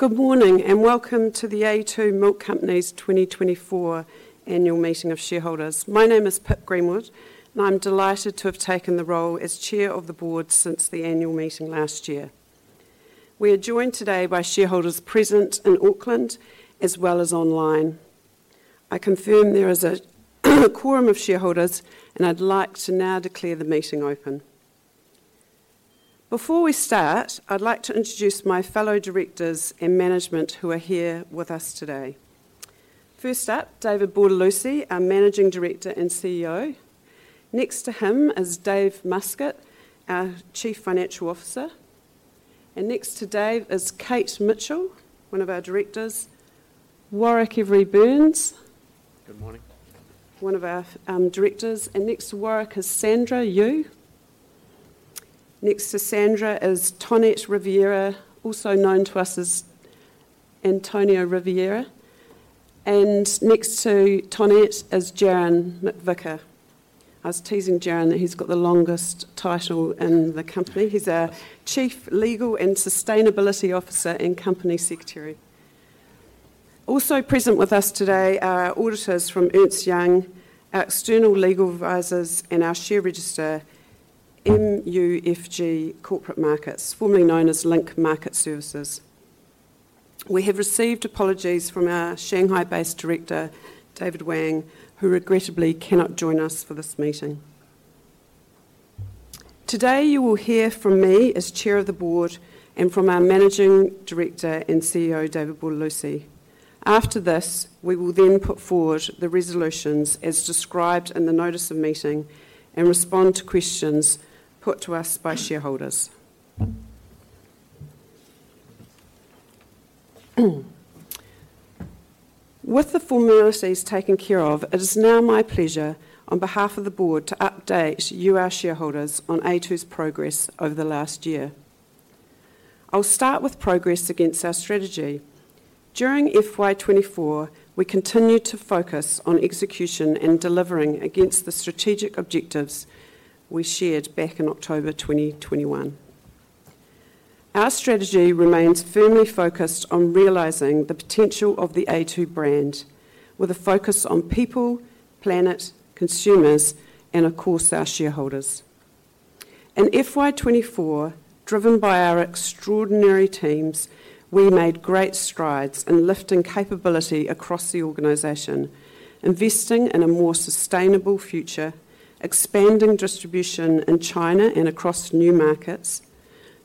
Good morning and welcome to The a2 Milk Company's 2024 Annual Meeting of Shareholders. My name is Pip Greenwood, and I'm delighted to have taken the role as Chair of the Board since the Annual Meeting last year. We are joined today by shareholders present in Auckland as well as online. I confirm there is a quorum of shareholders, and I'd like to now declare the meeting open. Before we start, I'd like to introduce my fellow directors and management who are here with us today. First up, David Bortolussi, our Managing Director and CEO. Next to him is Dave Muscat, our Chief Financial Officer. And next to Dave is Kate Mitchell, one of our directors. Warwick Every-Burns. Good morning. He is one of our directors. Next to Warwick is Sandra Yu. Next to Sandra is Tonet Rivera, also known to us as Antonio Rivera. Next to Tonet is Jaron McVicar. I was teasing Jaron that he's got the longest title in the company. He's our Chief Legal and Sustainability Officer and Company Secretary. Also present with us today are our auditors from Ernst & Young, our external legal advisors, and our share register, MUFG Corporate Markets, formerly known as Link Market Services. We have received apologies from our Shanghai-based director, David Wang, who regrettably cannot join us for this meeting. Today you will hear from me as Chair of the Board and from our Managing Director and CEO, David Bortolussi. After this, we will then put forward the resolutions as described in the notice of meeting and respond to questions put to us by shareholders. With the formalities taken care of, it is now my pleasure on behalf of the Board to update you, our shareholders, on a2's progress over the last year. I'll start with progress against our strategy. During FY24, we continued to focus on execution and delivering against the strategic objectives we shared back in October 2021. Our strategy remains firmly focused on realizing the potential of the a2 brand, with a focus on people, planet, consumers, and of course our shareholders. In FY24, driven by our extraordinary teams, we made great strides in lifting capability across the organization, investing in a more sustainable future, expanding distribution in China and across new markets,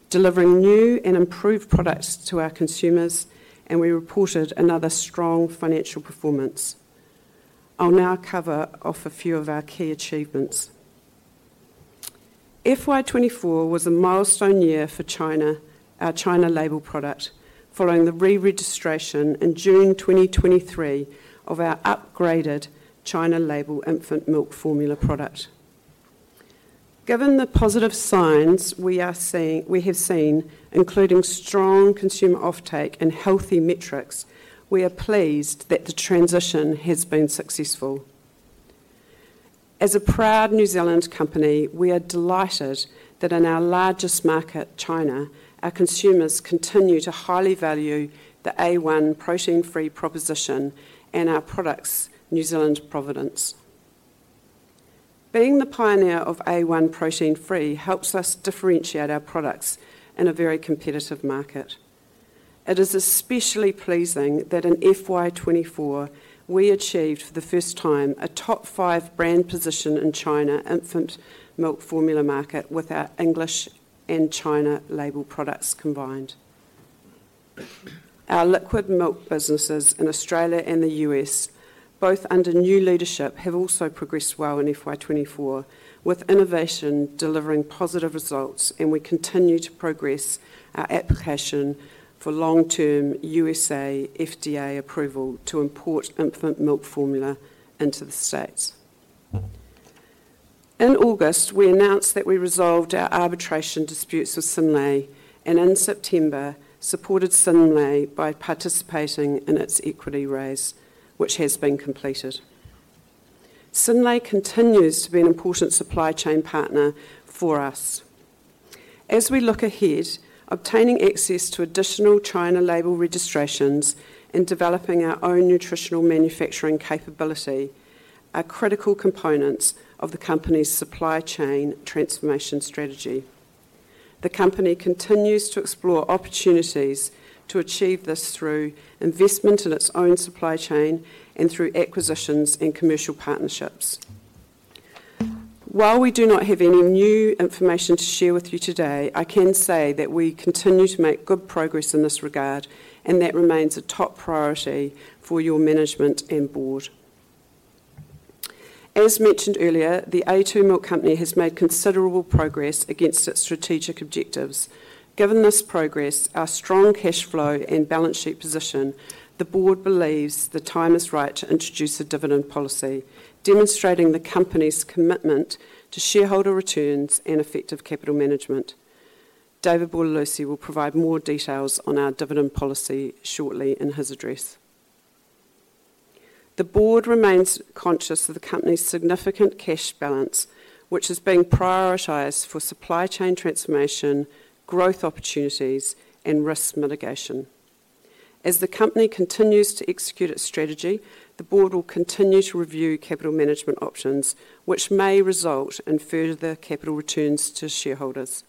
delivering new and improved products to our consumers, and we reported another strong financial performance. I'll now cover a few of our key achievements. FY24 was a milestone year for China, our China Label product, following the re-registration in June 2023 of our upgraded China Label infant milk formula product. Given the positive signs we have seen, including strong consumer offtake and healthy metrics, we are pleased that the transition has been successful. As a proud New Zealand company, we are delighted that in our largest market, China, our consumers continue to highly value the A1 protein-free proposition and our products, New Zealand provenance. Being the pioneer of A1 protein-free helps us differentiate our products in a very competitive market. It is especially pleasing that in FY24 we achieved for the first time a top five brand position in China infant milk formula market with our English and China Label products combined. Our liquid milk businesses in Australia and the U.S., both under new leadership, have also progressed well in FY24, with innovation delivering positive results, and we continue to progress our application for long-term U.S. FDA approval to import infant milk formula into the States. In August, we announced that we resolved our arbitration disputes with Synlait and in September supported Synlait by participating in its equity raise, which has been completed. Synlait continues to be an important supply chain partner for us. As we look ahead, obtaining access to additional China Label registrations and developing our own nutritional manufacturing capability are critical components of the company's supply chain transformation strategy. The company continues to explore opportunities to achieve this through investment in its own supply chain and through acquisitions and commercial partnerships. While we do not have any new information to share with you today, I can say that we continue to make good progress in this regard, and that remains a top priority for your management and board. As mentioned earlier, The a2 Milk Company has made considerable progress against its strategic objectives. Given this progress, our strong cash flow and balance sheet position, the board believes the time is right to introduce a dividend policy, demonstrating the company's commitment to shareholder returns and effective capital management. David Bortolussi will provide more details on our dividend policy shortly in his address. The board remains conscious of the company's significant cash balance, which is being prioritized for supply chain transformation, growth opportunities, and risk mitigation. As the company continues to execute its strategy, the board will continue to review capital management options, which may result in further capital returns to shareholders,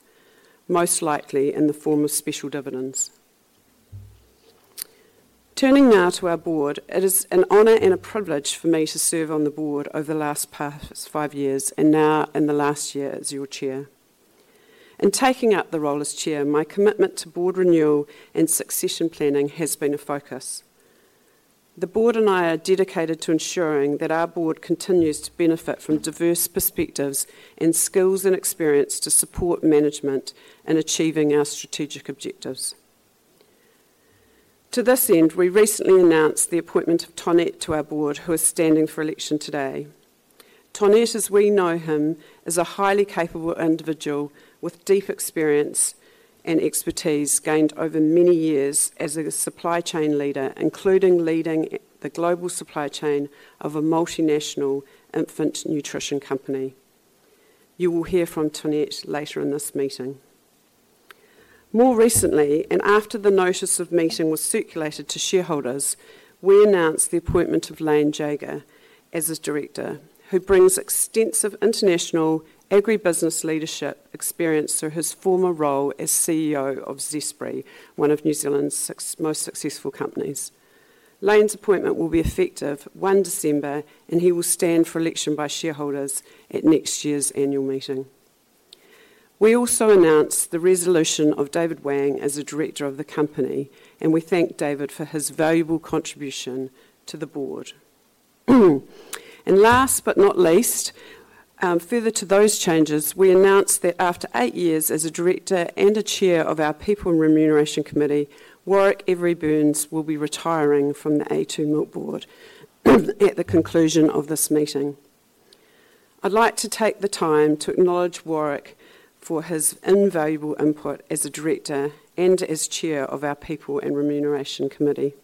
most likely in the form of special dividends. Turning now to our board, it is an honor and a privilege for me to serve on the board over the last five years and now in the last year as your chair. In taking up the role as chair, my commitment to board renewal and succession planning has been a focus. The board and I are dedicated to ensuring that our board continues to benefit from diverse perspectives and skills and experience to support management in achieving our strategic objectives. To this end, we recently announced the appointment of Tonet to our board, who is standing for election today. Tonet, as we know him, is a highly capable individual with deep experience and expertise gained over many years as a supply chain leader, including leading the global supply chain of a multinational infant nutrition company. You will hear from Tonet later in this meeting. More recently, and after the notice of meeting was circulated to shareholders, we announced the appointment of Lain Jager as a director, who brings extensive international agribusiness leadership experience through his former role as CEO of Zespri, one of New Zealand's most successful companies. Lain's appointment will be effective 1 December, and he will stand for election by shareholders at next year's annual meeting. We also announced the resignation of David Wang as a director of the company, and we thank David for his valuable contribution to the board. Last but not least, further to those changes, we announced that after eight years as a director and a chair of our People and Remuneration Committee, Warwick Every-Burns will be retiring from the a2 Milk Board at the conclusion of this meeting. I'd like to take the time to acknowledge Warwick for his invaluable input as a director and as chair of our People and Remuneration Committee.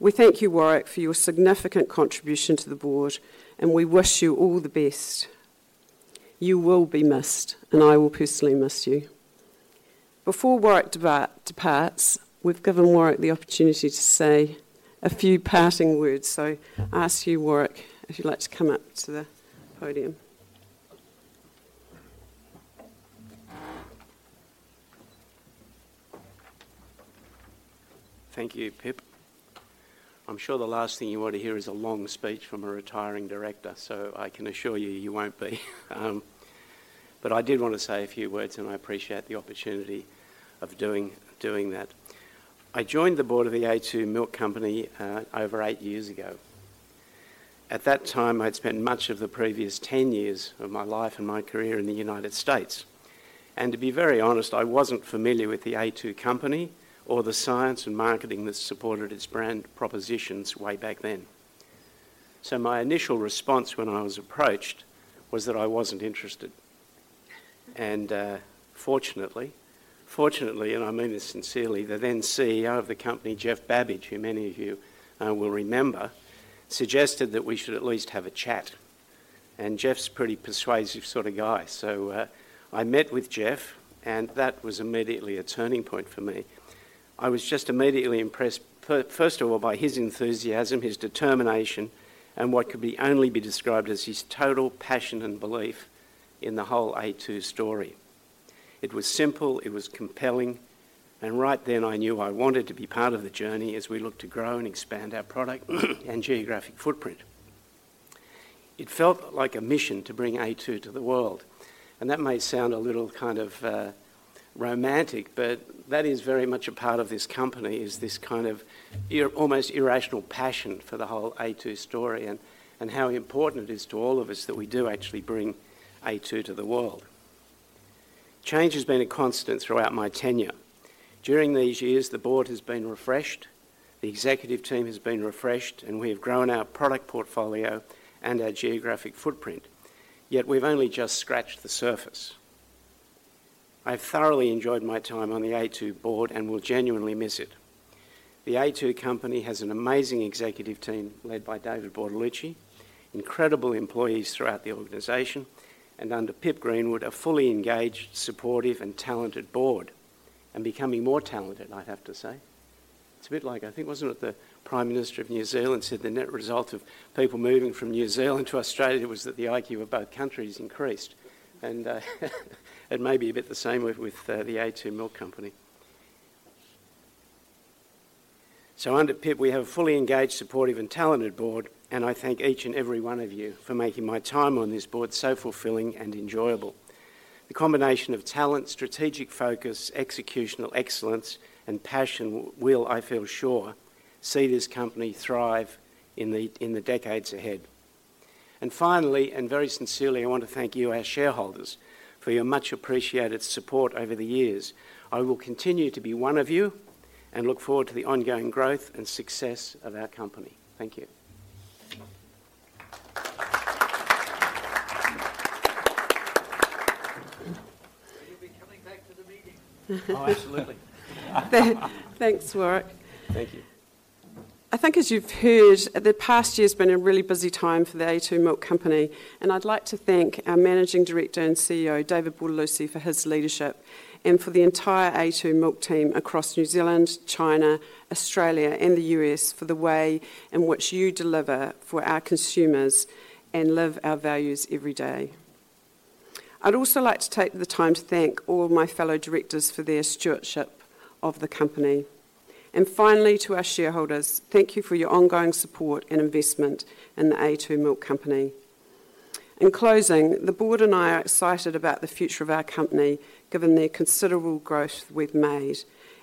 We thank you, Warwick, for your significant contribution to the board, and we wish you all the best. You will be missed, and I will personally miss you. Before Warwick departs, we've given Warwick the opportunity to say a few parting words. I ask you, Warwick, if you'd like to come up to the podium. Thank you, Pip. I'm sure the last thing you want to hear is a long speech from a retiring director, so I can assure you you won't be. But I did want to say a few words, and I appreciate the opportunity of doing that. I joined the board of the a2 Milk Company over eight years ago. At that time, I'd spent much of the previous 10 years of my life and my career in the United States. To be very honest, I wasn't familiar with the a2 company or the science and marketing that supported its brand propositions way back then. My initial response when I was approached was that I wasn't interested. Fortunately, fortunately, and I mean this sincerely, the then CEO of the company, Geoff Babidge, who many of you will remember, suggested that we should at least have a chat. Geoff's a pretty persuasive sort of guy. I met with Geoff, and that was immediately a turning point for me. I was just immediately impressed, first of all, by his enthusiasm, his determination, and what could only be described as his total passion and belief in the whole a2 story. It was simple, it was compelling, and right then I knew I wanted to be part of the journey as we look to grow and expand our product and geographic footprint. It felt like a mission to bring a2 to the world. And that may sound a little kind of romantic, but that is very much a part of this company, is this kind of almost irrational passion for the whole a2 story and how important it is to all of us that we do actually bring a2 to the world. Change has been a constant throughout my tenure. During these years, the board has been refreshed, the executive team has been refreshed, and we have grown our product portfolio and our geographic footprint. Yet we've only just scratched the surface. I've thoroughly enjoyed my time on the a2 board and will genuinely miss it. The a2 company has an amazing executive team led by David Bortolussi, incredible employees throughout the organization, and under Pip Greenwood, a fully engaged, supportive, and talented board. And becoming more talented, I'd have to say. It's a bit like, I think, wasn't it the Prime Minister of New Zealand said the net result of people moving from New Zealand to Australia was that the IQ of both countries increased. It may be a bit the same with the a2 Milk Company. Under Pip, we have a fully engaged, supportive, and talented board, and I thank each and every one of you for making my time on this board so fulfilling and enjoyable. The combination of talent, strategic focus, executional excellence, and passion will, I feel sure, see this company thrive in the decades ahead. Finally, and very sincerely, I want to thank you, our shareholders, for your much appreciated support over the years. I will continue to be one of you and look forward to the ongoing growth and success of our company. Thank you. You'll be coming back to the meeting. Oh, absolutely. Thanks, Warwick. Thank you. I think as you've heard, the past year has been a really busy time for the a2 Milk Company. I'd like to thank our Managing Director and CEO, David Bortolussi, for his leadership and for the entire a2 Milk team across New Zealand, China, Australia, and the US for the way in which you deliver for our consumers and live our values every day. I'd also like to take the time to thank all my fellow directors for their stewardship of the company. Finally, to our shareholders, thank you for your ongoing support and investment in the a2 Milk Company. In closing, the board and I are excited about the future of our company given the considerable growth we've made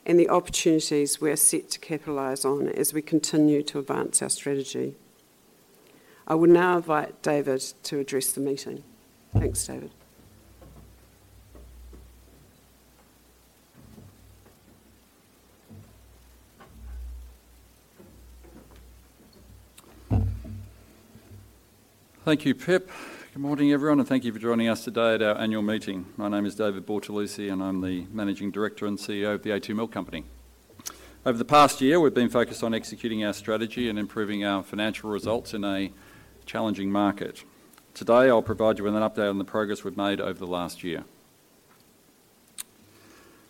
and the opportunities we are set to capitalize on as we continue to advance our strategy. I will now invite David to address the meeting. Thanks, David. Thank you, Pip. Good morning, everyone, and thank you for joining us today at our annual meeting. My name is David Bortolussi, and I'm the Managing Director and CEO of the a2 Milk Company. Over the past year, we've been focused on executing our strategy and improving our financial results in a challenging market. Today, I'll provide you with an update on the progress we've made over the last year.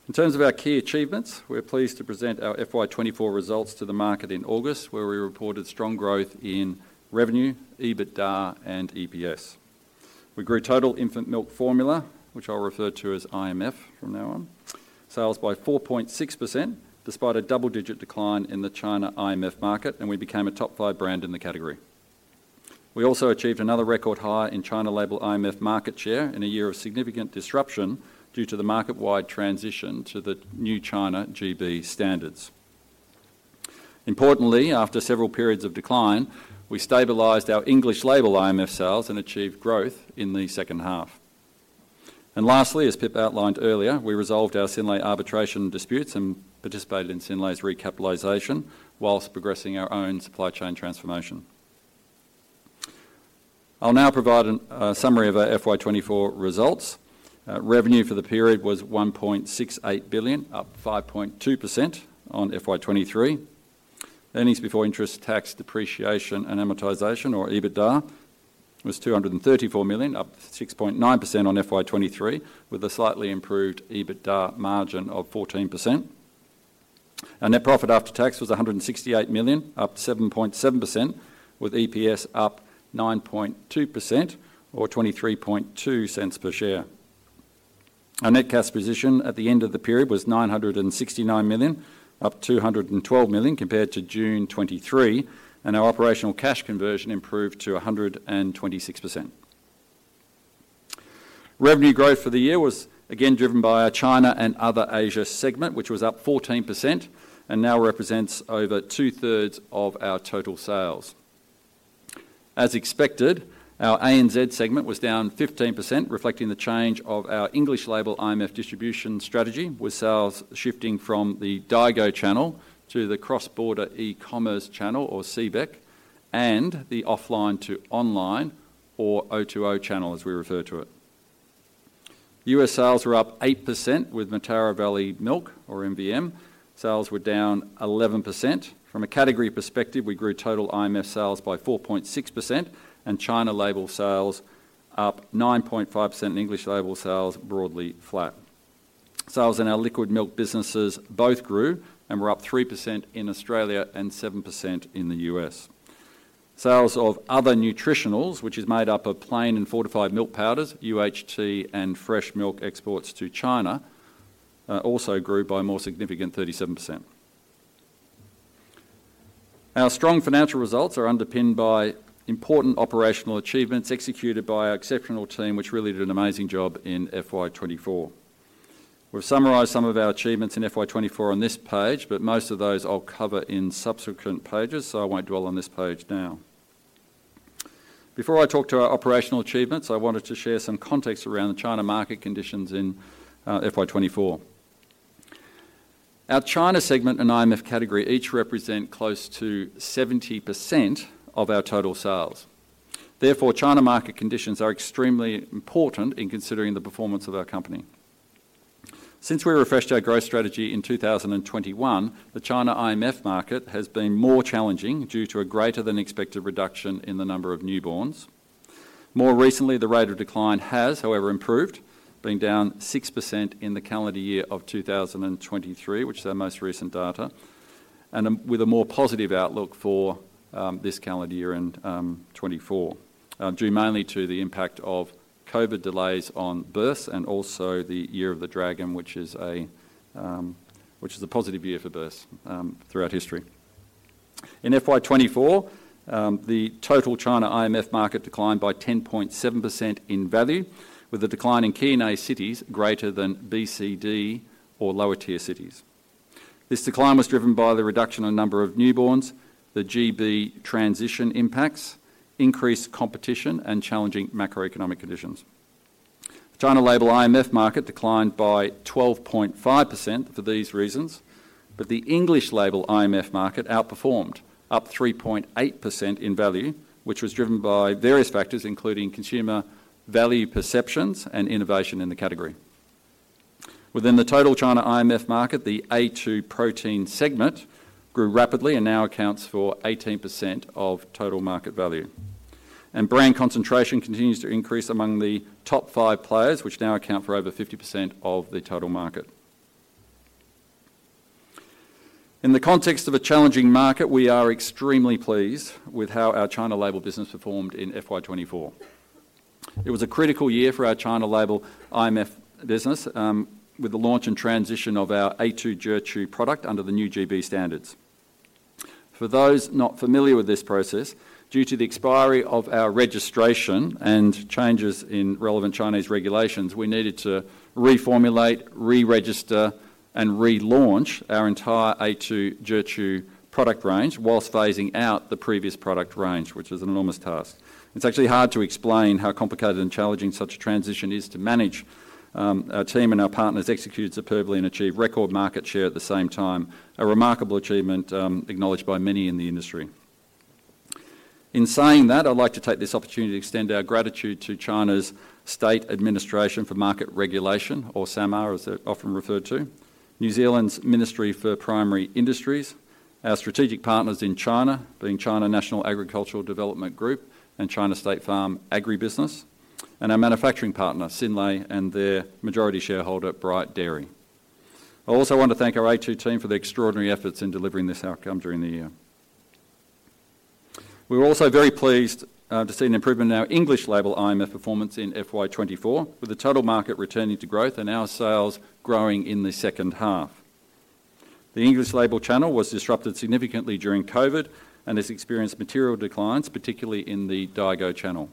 In terms of our key achievements, we're pleased to present our FY24 results to the market in August, where we reported strong growth in revenue, EBITDA, and EPS. We grew total infant milk formula, which I'll refer to as IMF from now on, sales by 4.6% despite a double-digit decline in the China IMF market, and we became a top five brand in the category. We also achieved another record high in China Label IMF market share in a year of significant disruption due to the market-wide transition to the new China GB standards. Importantly, after several periods of decline, we stabilized our English Label IMF sales and achieved growth in the second half. Lastly, as Pip outlined earlier, we resolved our Synlait arbitration disputes and participated in Synlait's recapitalization while progressing our own supply chain transformation. I'll now provide a summary of our FY24 results. Revenue for the period was 1.68 billion, up 5.2% on FY23. Earnings before interest tax depreciation and amortization, or EBITDA, was 234 million, up 6.9% on FY23, with a slightly improved EBITDA margin of 14%. Our net profit after tax was 168 million, up 7.7%, with EPS up 9.2% or 0.232 per share. Our net cash position at the end of the period was 969 million, up 212 million compared to June 2023, and our operational cash conversion improved to 126%. Revenue growth for the year was again driven by our China and other Asia segment, which was up 14% and now represents over two-thirds of our total sales. As expected, our ANZ segment was down 15%, reflecting the change of our English Label IMF distribution strategy, with sales shifting from the Daigou channel to the cross-border e-commerce channel, or CBEC, and the offline to online, or O2O channel, as we refer to it. US sales were up 8% with Mataura Valley Milk, or MVM. Sales were down 11%. From a category perspective, we grew total IMF sales by 4.6%, and China Label sales up 9.5% and English Label sales broadly flat. Sales in our liquid milk businesses both grew and were up 3% in Australia and 7% in the U.S. Sales of other nutritionals, which is made up of plain and fortified milk powders, UHT, and fresh milk exports to China, also grew by a more significant 37%. Our strong financial results are underpinned by important operational achievements executed by our exceptional team, which really did an amazing job in FY24. We've summarized some of our achievements in FY24 on this page, but most of those I'll cover in subsequent pages, so I won't dwell on this page now. Before I talk to our operational achievements, I wanted to share some context around the China market conditions in FY24. Our China segment and IMF category each represent close to 70% of our total sales. Therefore, China market conditions are extremely important in considering the performance of our company. Since we refreshed our growth strategy in 2021, the China IMF market has been more challenging due to a greater-than-expected reduction in the number of newborns. More recently, the rate of decline has, however, improved, being down 6% in the calendar year of 2023, which is our most recent data, and with a more positive outlook for this calendar year in 2024, due mainly to the impact of COVID delays on births and also the Year of the Dragon, which is a positive year for births throughout history. In FY24, the total China IMF market declined by 10.7% in value, with the decline in Key & A cities greater than BCD or lower-tier cities. This decline was driven by the reduction in the number of newborns, the GB transition impacts, increased competition, and challenging macroeconomic conditions. China Label IMF market declined by 12.5% for these reasons, but the English Label IMF market outperformed, up 3.8% in value, which was driven by various factors, including consumer value perceptions and innovation in the category. Within the total China IMF market, the a2 protein segment grew rapidly and now accounts for 18% of total market value. Brand concentration continues to increase among the top five players, which now account for over 50% of the total market. In the context of a challenging market, we are extremely pleased with how our China Label business performed in FY24. It was a critical year for our China Label IMF business, with the launch and transition of our a2 Zhuchu product under the new GB standards. For those not familiar with this process, due to the expiry of our registration and changes in relevant Chinese regulations, we needed to reformulate, re-register, and relaunch our entire a2 Zhuchu product range whilst phasing out the previous product range, which was an enormous task. It's actually hard to explain how complicated and challenging such a transition is to manage. Our team and our partners executed superbly and achieved record market share at the same time, a remarkable achievement acknowledged by many in the industry. In saying that, I'd like to take this opportunity to extend our gratitude to China's State Administration for Market Regulation, or SAMR, as they're often referred to, New Zealand's Ministry for Primary Industries, our strategic partners in China, being China National Agricultural Development Group and China State Farm Agribusiness, and our manufacturing partner, Synlait, and their majority shareholder, Bright Dairy. I also want to thank our a2 team for their extraordinary efforts in delivering this outcome during the year. We were also very pleased to see an improvement in our English Label IMF performance in FY24, with the total market returning to growth and our sales growing in the second half. The English Label channel was disrupted significantly during COVID and has experienced material declines, particularly in the Daigou channel.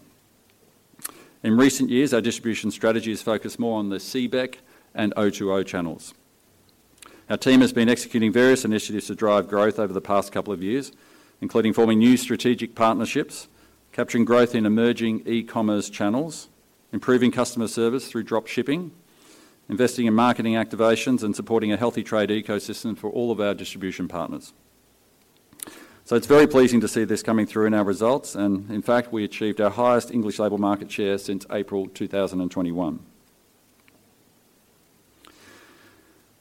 In recent years, our distribution strategy has focused more on the CBEC and O2O channels. Our team has been executing various initiatives to drive growth over the past couple of years, including forming new strategic partnerships, capturing growth in emerging e-commerce channels, improving customer service through drop shipping, investing in marketing activations, and supporting a healthy trade ecosystem for all of our distribution partners. It's very pleasing to see this coming through in our results, and in fact, we achieved our highest English Label market share since April 2021.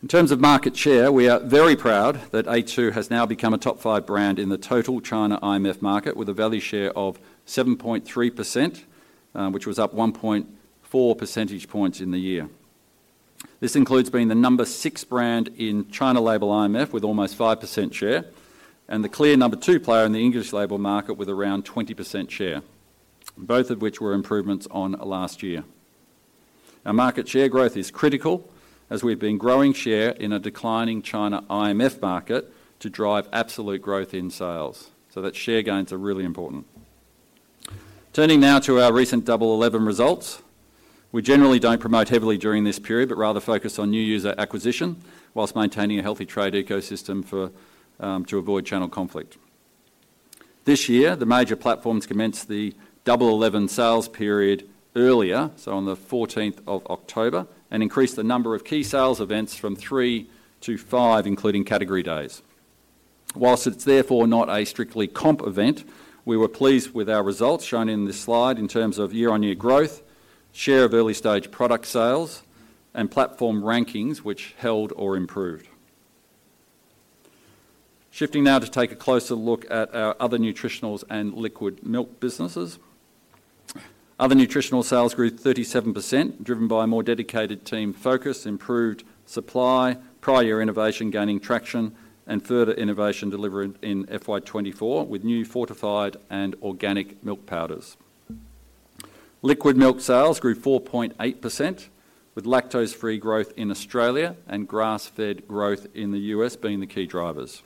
In terms of market share, we are very proud that a2 has now become a top five brand in the total China IMF market, with a value share of 7.3%, which was up 1.4 percentage points in the year. This includes being the number six brand in China Label IMF with almost 5% share, and the clear number two player in the English Label market with around 20% share, both of which were improvements on last year. Our market share growth is critical as we've been growing share in a declining China IMF market to drive absolute growth in sales. That share gains are really important. Turning now to our recent Double 11 results, we generally don't promote heavily during this period but rather focus on new user acquisition whilst maintaining a healthy trade ecosystem to avoid channel conflict. This year, the major platforms commenced the Double 11 sales period earlier, so on the 14th of October, and increased the number of key sales events from three to five, including category days. Whilst it's therefore not a strictly comp event, we were pleased with our results shown in this slide in terms of year-on-year growth, share of early-stage product sales, and platform rankings, which held or improved. Shifting now to take a closer look at our other nutritionals and liquid milk businesses. Other nutritional sales grew 37%, driven by a more dedicated team focus, improved supply, prior year innovation gaining traction, and further innovation delivered in FY24 with new fortified and organic milk powders. Liquid milk sales grew 4.8%, with lactose-free growth in Australia and grass-fed growth in the U.S. being the key drivers.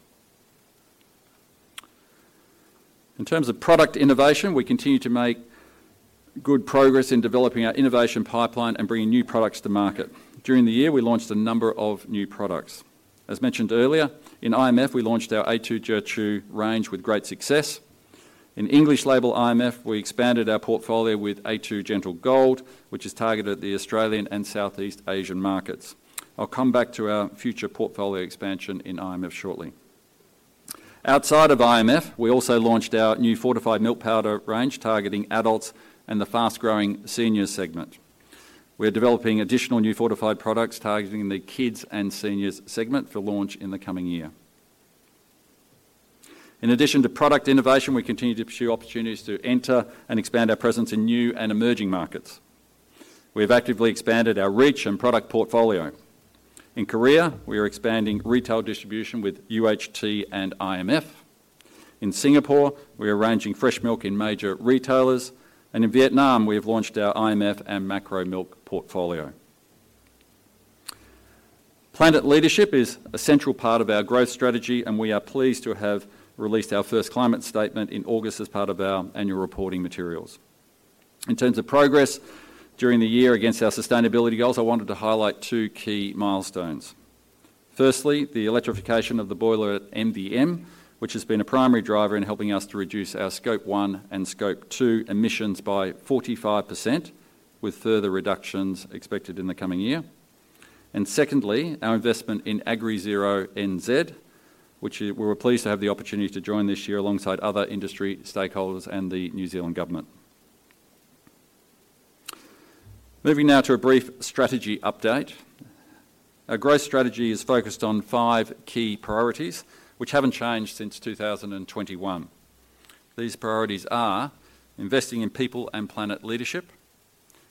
In terms of product innovation, we continue to make good progress in developing our innovation pipeline and bringing new products to market. During the year, we launched a number of new products. As mentioned earlier, in IMF, we launched our a2 Zhuchu range with great success. In English Label IMF, we expanded our portfolio with a2 Gentle Gold, which is targeted at the Australian and Southeast Asian markets. I'll come back to our future portfolio expansion in IMF shortly. Outside of IMF, we also launched our new fortified milk powder range, targeting adults and the fast-growing senior segment. We're developing additional new fortified products targeting the kids and seniors segment for launch in the coming year. In addition to product innovation, we continue to pursue opportunities to enter and expand our presence in new and emerging markets. We have actively expanded our reach and product portfolio. In Korea, we are expanding retail distribution with UHT and IMF. In Singapore, we are arranging fresh milk in major retailers, and in Vietnam, we have launched our IMF and a2 milk portfolio. Planet leadership is a central part of our growth strategy, and we are pleased to have released our first climate statement in August as part of our annual reporting materials. In terms of progress during the year against our sustainability goals, I wanted to highlight two key milestones. Firstly, the electrification of the boiler at MVM, which has been a primary driver in helping us to reduce our Scope 1 and Scope 2 emissions by 45%, with further reductions expected in the coming year. Secondly, our investment in AgriZeroNZ, which we were pleased to have the opportunity to join this year alongside other industry stakeholders and the New Zealand government. Moving now to a brief strategy update. Our growth strategy is focused on five key priorities, which haven't changed since 2021. These priorities are investing in people and planet leadership,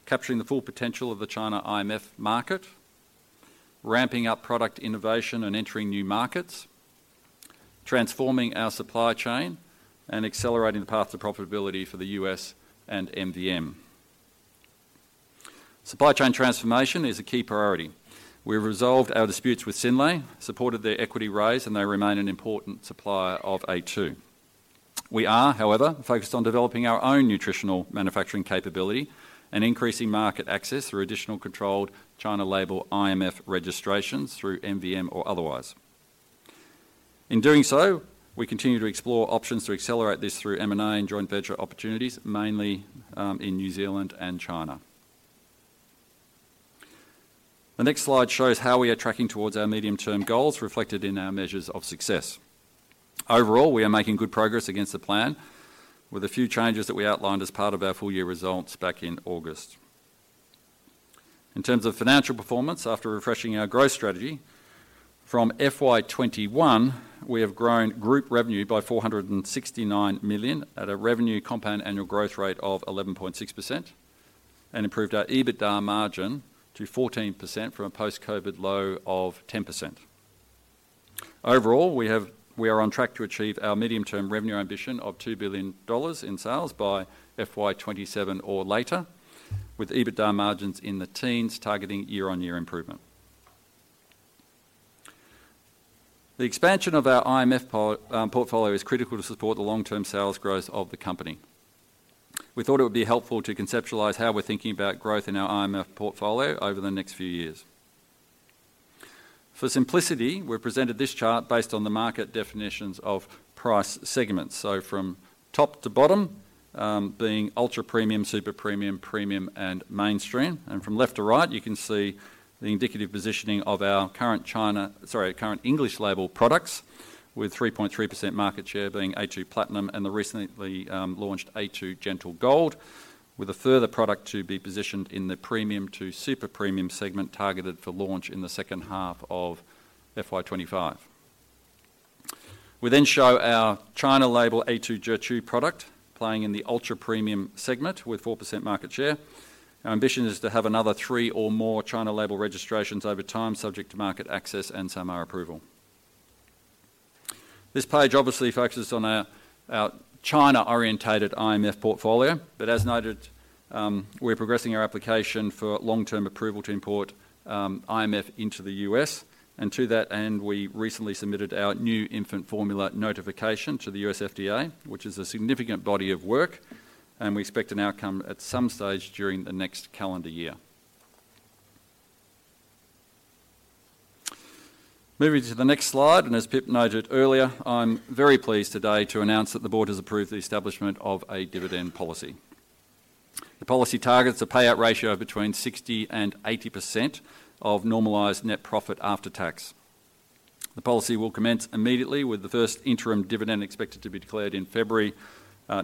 capturing the full potential of the China IMF market, ramping up product innovation and entering new markets, transforming our supply chain, and accelerating the path to profitability for the US and MVM. Supply chain transformation is a key priority. We resolved our disputes with Synlait, supported their equity raise, and they remain an important supplier of a2. We are, however, focused on developing our own nutritional manufacturing capability and increasing market access through additional controlled China Label IMF registrations through MVM or otherwise. In doing so, we continue to explore options to accelerate this through M&A and joint venture opportunities, mainly in New Zealand and China. The next slide shows how we are tracking towards our medium-term goals reflected in our measures of success. Overall, we are making good progress against the plan, with a few changes that we outlined as part of our full-year results back in August. In terms of financial performance, after refreshing our growth strategy from FY21, we have grown group revenue by 469 million at a revenue compound annual growth rate of 11.6% and improved our EBITDA margin to 14% from a post-COVID low of 10%. Overall, we are on track to achieve our medium-term revenue ambition of 2 billion dollars in sales by FY27 or later, with EBITDA margins in the teens, targeting year-on-year improvement. The expansion of our IMF portfolio is critical to support the long-term sales growth of the company. We thought it would be helpful to conceptualize how we're thinking about growth in our IMF portfolio over the next few years. For simplicity, we presented this chart based on the market definitions of price segments, so from top to bottom being ultra-premium, super-premium, premium, and mainstream, and from left to right, you can see the indicative positioning of our current China - sorry, current English Label products, with 3.3% market share being a2 Platinum and the recently launched a2 Gentle Gold, with a further product to be positioned in the premium to super-premium segment targeted for launch in the second half of FY25. We then show our China Label a2 Zhuchu product playing in the ultra-premium segment with 4% market share. Our ambition is to have another three or more China Label registrations over time, subject to market access and SAMR approval. This page obviously focuses on our China-oriented IMF portfolio, but as noted, we're progressing our application for long-term approval to import IMF into the U.S. To that end, we recently submitted our new infant formula notification to the U.S. FDA, which is a significant body of work, and we expect an outcome at some stage during the next calendar year. Moving to the next slide, and as Pip noted earlier, I'm very pleased today to announce that the board has approved the establishment of a dividend policy. The policy targets a payout ratio between 60% to 80% of normalized net profit after tax. The policy will commence immediately, with the first interim dividend expected to be declared in February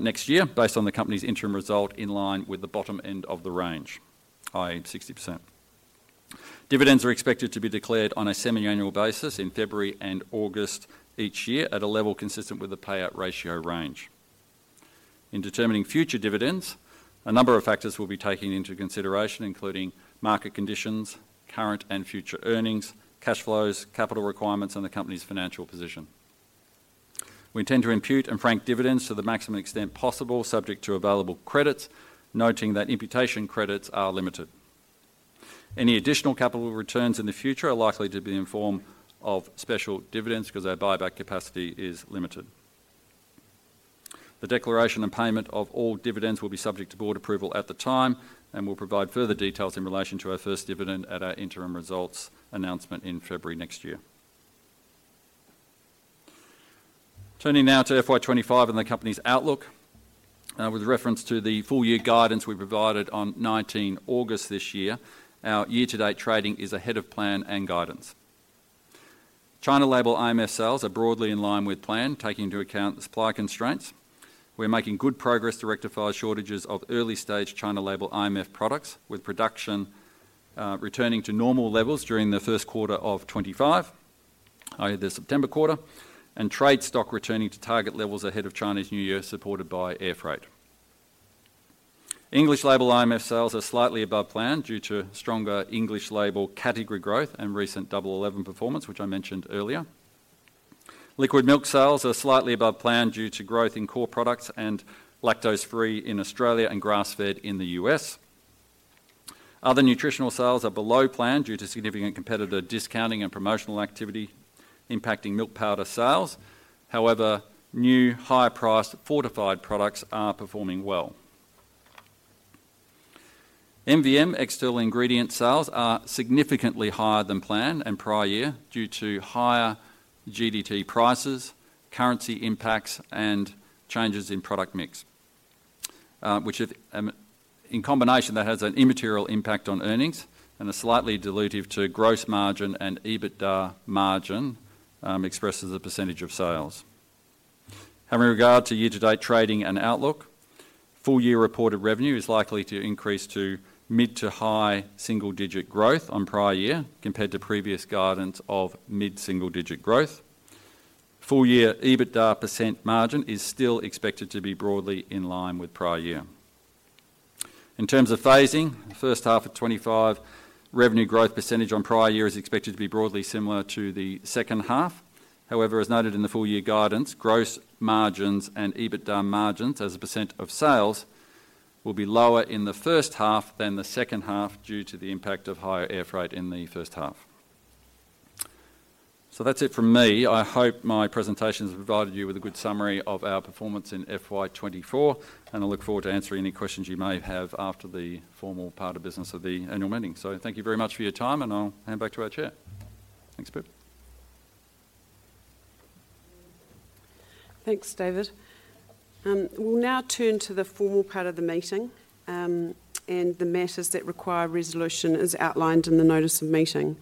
next year, based on the company's interim result in line with the bottom end of the range, i.e., 60%. Dividends are expected to be declared on a semi-annual basis in February and August each year at a level consistent with the payout ratio range. In determining future dividends, a number of factors will be taken into consideration, including market conditions, current and future earnings, cash flows, capital requirements, and the company's financial position. We intend to impute and frank dividends to the maximum extent possible, subject to available credits, noting that imputation credits are limited. Any additional capital returns in the future are likely to be in form of special dividends because our buyback capacity is limited. The declaration and payment of all dividends will be subject to board approval at the time and will provide further details in relation to our first dividend at our interim results announcement in February next year. Turning now to FY25 and the company's outlook, with reference to the full-year guidance we provided on 19 August this year, our year-to-date trading is ahead of plan and guidance. China Label IMF sales are broadly in line with plan, taking into account supply constraints. We're making good progress to rectify shortages of early-stage China Label IMF products, with production returning to normal levels during the Q1 of 2025, i.e., the September quarter, and trade stock returning to target levels ahead of Chinese New Year supported by air freight. English Label IMF sales are slightly above plan due to stronger English Label category growth and recent Double 11 performance, which I mentioned earlier. Liquid milk sales are slightly above plan due to growth in core products and lactose-free in Australia and grass-fed in the US. Other nutritional sales are below plan due to significant competitor discounting and promotional activity impacting milk powder sales. However, new high-priced fortified products are performing well. MVM external ingredient sales are significantly higher than plan and prior year due to higher GDT prices, currency impacts, and changes in product mix, which in combination has an immaterial impact on earnings and is slightly dilutive to gross margin and EBITDA % margin expressed as a percentage of sales. Having regard to year-to-date trading and outlook, full-year reported revenue is likely to increase to mid to high single-digit growth on prior year compared to previous guidance of mid single-digit growth. Full-year EBITDA % margin is still expected to be broadly in line with prior year. In terms of phasing, the first half of 2025 revenue growth percentage on prior year is expected to be broadly similar to the second half. However, as noted in the full-year guidance, gross margins and EBITDA margins as a % of sales will be lower in the first half than the second half due to the impact of higher air freight in the first half. That's it from me. I hope my presentation has provided you with a good summary of our performance in FY24, and I look forward to answering any questions you may have after the formal part of business of the annual meeting. Thank you very much for your time, and I'll hand back to our chair. Thanks, Pip. Thanks, David. We'll now turn to the formal part of the meeting and the matters that require resolution as outlined in the notice of meeting,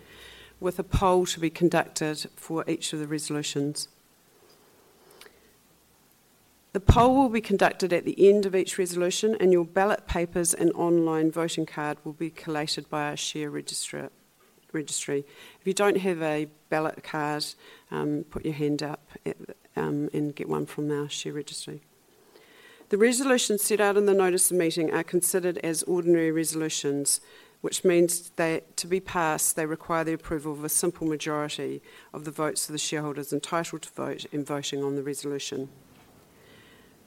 with a poll to be conducted for each of the resolutions. The poll will be conducted at the end of each resolution, and your ballot papers and online voting card will be collated by our share registry. If you don't have a ballot card, put your hand up and get one from our share registry. The resolutions set out in the notice of meeting are considered as ordinary resolutions, which means that to be passed, they require the approval of a simple majority of the votes of the shareholders entitled to vote in voting on the resolution.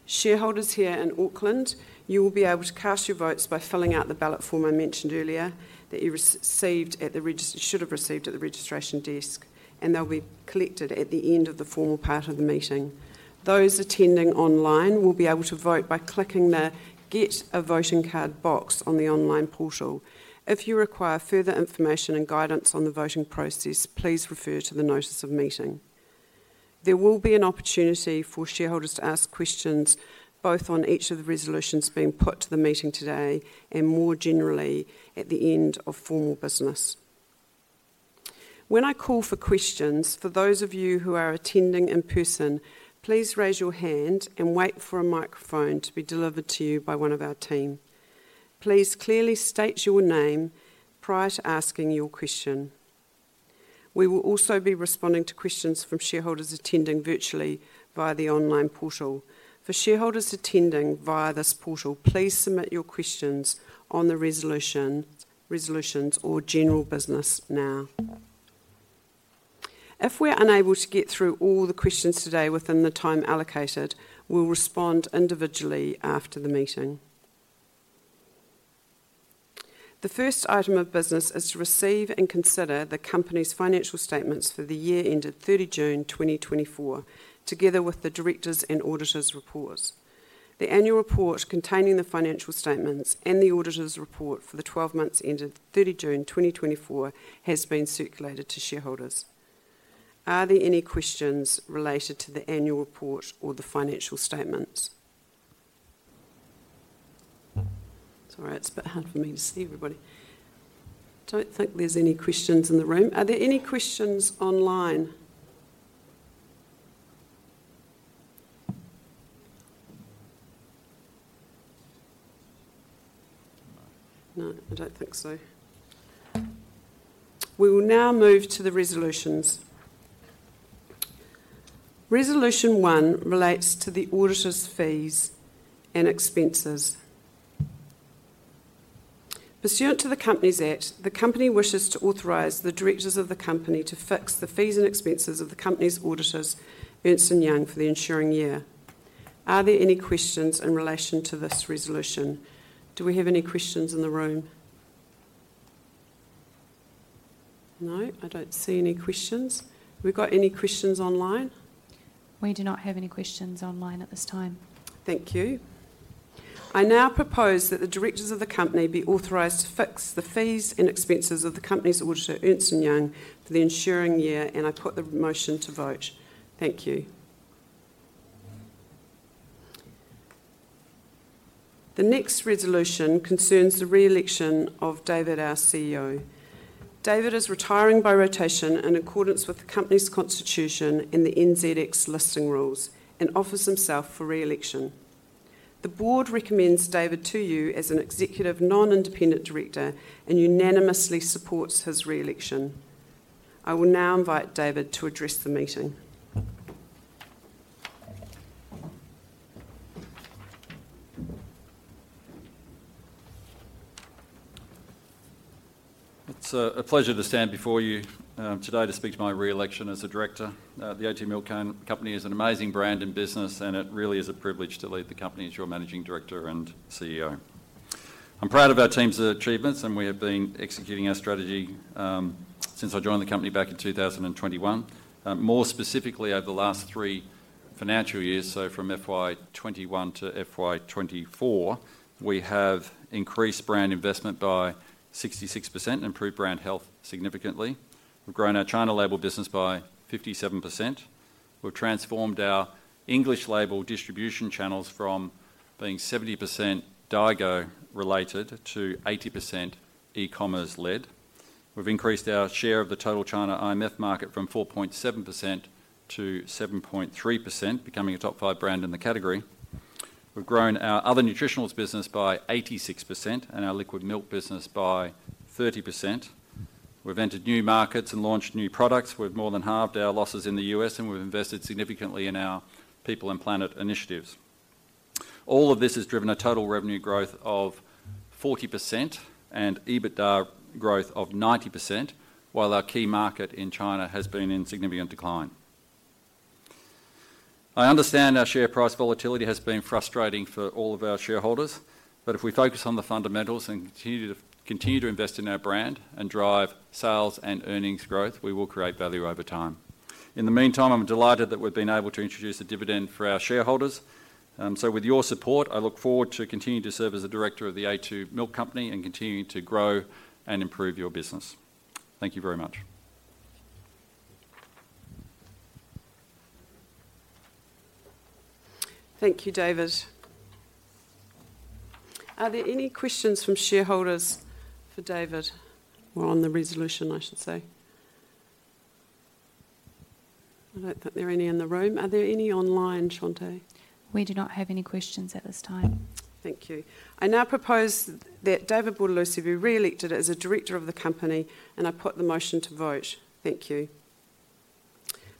Shareholders here in Auckland, you will be able to cast your votes by filling out the ballot form I mentioned earlier that you received at the registry, should have received at the registration desk, and they'll be collected at the end of the formal part of the meeting. Those attending online will be able to vote by clicking the "Get a Voting Card" box on the online portal. If you require further information and guidance on the voting process, please refer to the notice of meeting. There will be an opportunity for shareholders to ask questions both on each of the resolutions being put to the meeting today and more generally at the end of formal business. When I call for questions, for those of you who are attending in person, please raise your hand and wait for a microphone to be delivered to you by one of our team. Please clearly state your name prior to asking your question. We will also be responding to questions from shareholders attending virtually via the online portal. For shareholders attending via this portal, please submit your questions on the resolutions or general business now. If we're unable to get through all the questions today within the time allocated, we'll respond individually after the meeting. The first item of business is to receive and consider the company's financial statements for the year ended 30 June 2024, together with the directors' and auditors' reports. The annual report containing the financial statements and the auditors' report for the 12 months ended 30 June 2024 has been circulated to shareholders. Are there any questions related to the annual report or the financial statements? Sorry, it's a bit hard for me to see everybody. Don't think there's any questions in the room. Are there any questions online? No, I don't think so. We will now move to the resolutions. Resolution one relates to the auditors' fees and expenses. Pursuant to the company's act, the company wishes to authorize the directors of the company to fix the fees and expenses of the company's auditors, Ernst & Young, for the ensuing year. Are there any questions in relation to this resolution? Do we have any questions in the room? No, I don't see any questions. Have we got any questions online? We do not have any questions online at this time. Thank you. I now propose that the directors of the company be authorized to fix the fees and expenses of the company's auditor, Ernst & Young, for the ensuing year, and I put the motion to vote. Thank you. The next resolution concerns the re-election of David, our CEO. David is retiring by rotation in accordance with the company's constitution and the NZX listing rules and offers himself for re-election. The board recommends David to you as an executive non-independent director and unanimously supports his re-election. I will now invite David to address the meeting. It's a pleasure to stand before you today to speak to my re-election as a director. The a2 Milk Company is an amazing brand and business, and it really is a privilege to lead the company as your Managing Director and CEO. I'm proud of our team's achievements, and we have been executing our strategy since I joined the company back in 2021. More specifically, over the last three financial years, so from FY21 to FY24, we have increased brand investment by 66% and improved brand health significantly. We've grown our China Label business by 57%. We've transformed our English Label distribution channels from being 70% Daigou related to 80% e-commerce-led. We've increased our share of the total China IMF market from 4.7% to 7.3%, becoming a top five brand in the category. We've grown our other nutritionals business by 86% and our liquid milk business by 30%. We've entered new markets and launched new products. We've more than halved our losses in the U.S., and we've invested significantly in our people and planet initiatives. All of this has driven a total revenue growth of 40% and EBITDA growth of 90%, while our key market in China has been in significant decline. I understand our share price volatility has been frustrating for all of our shareholders, but if we focus on the fundamentals and continue to invest in our brand and drive sales and earnings growth, we will create value over time. In the meantime, I'm delighted that we've been able to introduce a dividend for our shareholders. So with your support, I look forward to continuing to serve as the director of the a2 Milk Company and continuing to grow and improve your business. Thank you very much. Thank you, David. Are there any questions from shareholders for David? Well, on the resolution, I should say. I don't think there are any in the room. Are there any online, Shante? We do not have any questions at this time. Thank you. I now propose that David Bortolussi be re-elected as a director of the company, and I put the motion to vote. Thank you.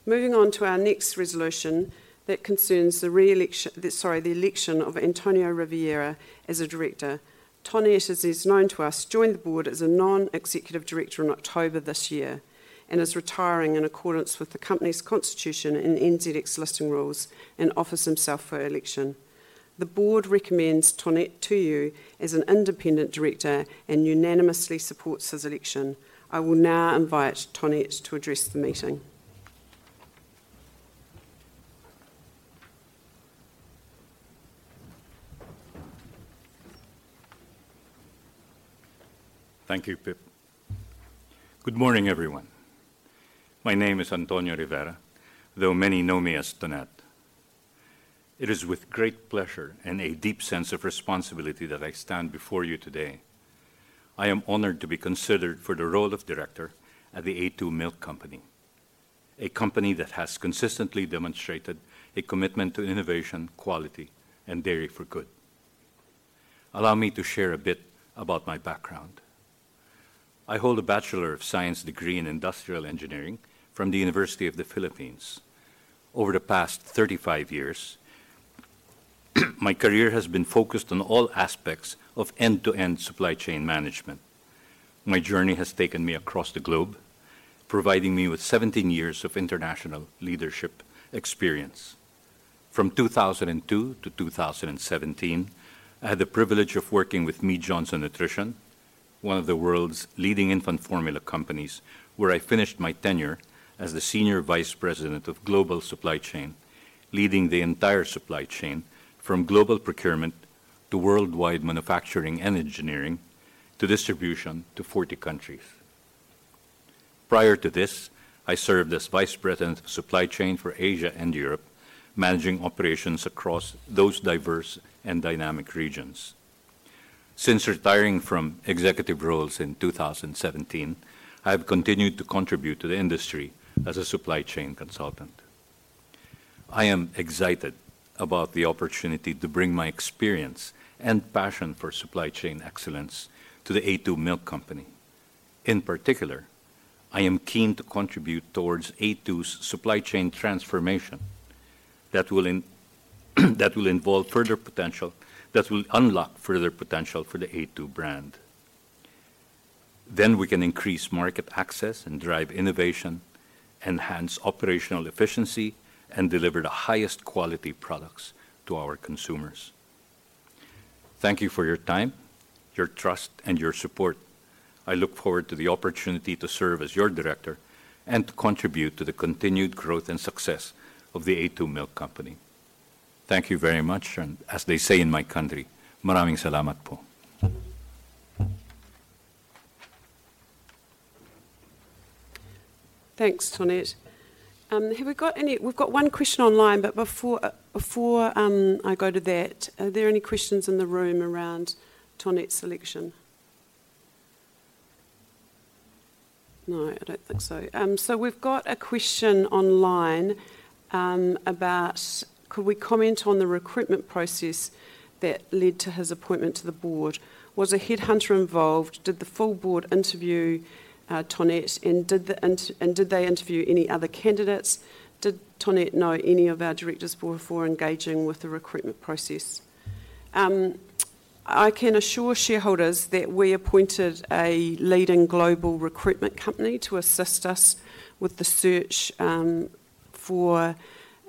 Moving on to our next resolution that concerns the re-election, sorry, the election of Antonio Rivera as a director. Tony, as is known to us, joined the board as a non-executive director in October this year and is retiring in accordance with the company's constitution and NZX listing rules and offers himself for election. The board recommends Tony to you as an independent director and unanimously supports his election. I will now invite Tony to address the meeting. Thank you, Pip. Good morning, everyone. My name is Antonio Rivera, though many know me as Tonet. It is with great pleasure and a deep sense of responsibility that I stand before you today. I am honored to be considered for the role of director at the a2 Milk Company, a company that has consistently demonstrated a commitment to innovation, quality, and dairy for good. Allow me to share a bit about my background. I hold a Bachelor of Science degree in Industrial Engineering from the University of the Philippines. Over the past 35 years, my career has been focused on all aspects of end-to-end supply chain management. My journey has taken me across the globe, providing me with 17 years of international leadership experience. From 2002 to 2017, I had the privilege of working with Mead Johnson Nutrition, one of the world's leading infant formula companies, where I finished my tenure as the Senior Vice President of Global Supply Chain, leading the entire supply chain from global procurement to worldwide manufacturing and engineering to distribution to 40 countries. Prior to this, I served as Vice President of Supply Chain for Asia and Europe, managing operations across those diverse and dynamic regions. Since retiring from executive roles in 2017, I have continued to contribute to the industry as a supply chain consultant. I am excited about the opportunity to bring my experience and passion for supply chain excellence to the A2 Milk Company. In particular, I am keen to contribute towards A2's supply chain transformation that will involve further potential that will unlock further potential for the A2 brand. Then we can increase market access and drive innovation, enhance operational efficiency, and deliver the highest quality products to our consumers. Thank you for your time, your trust, and your support. I look forward to the opportunity to serve as your director and to contribute to the continued growth and success of the a2 Milk Company. Thank you very much, and as they say in my country, maraming salamat po. Thanks, Tonet. We've got one question online, but before I go to that, are there any questions in the room around Tonet's selection? No, I don't think so. We've got a question online about, could we comment on the recruitment process that led to his appointment to the board? Was a headhunter involved? Did the full board interview Tonet, and did they interview any other candidates? Did Tonet know any of our directors before engaging with the recruitment process? I can assure shareholders that we appointed a leading global recruitment company to assist us with the search for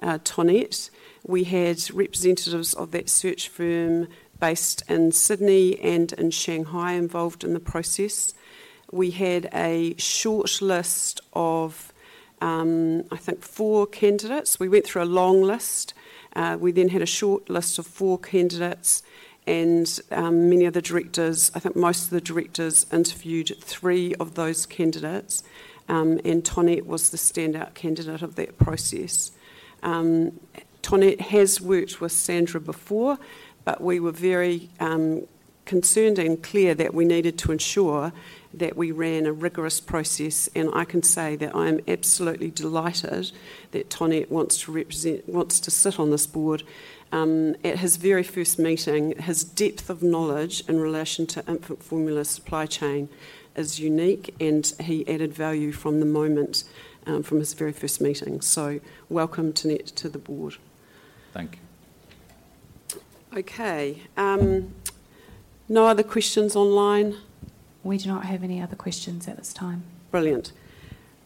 Tonet. We had representatives of that search firm based in Sydney and in Shanghai involved in the process. We had a short list of, I think, four candidates. We went through a long list. We then had a short list of four candidates, and many of the directors, I think most of the directors, interviewed three of those candidates, and Tonet was the standout candidate of that process. Tonet has worked with Sandra before, but we were very concerned and clear that we needed to ensure that we ran a rigorous process, and I can say that I am absolutely delighted that Tonet wants to sit on this board. At his very first meeting, his depth of knowledge in relation to infant formula supply chain is unique, and he added value from the moment his very first meeting. So welcome, Tonet, to the board. Thank you. Okay. No other questions online? We do not have any other questions at this time. Brilliant.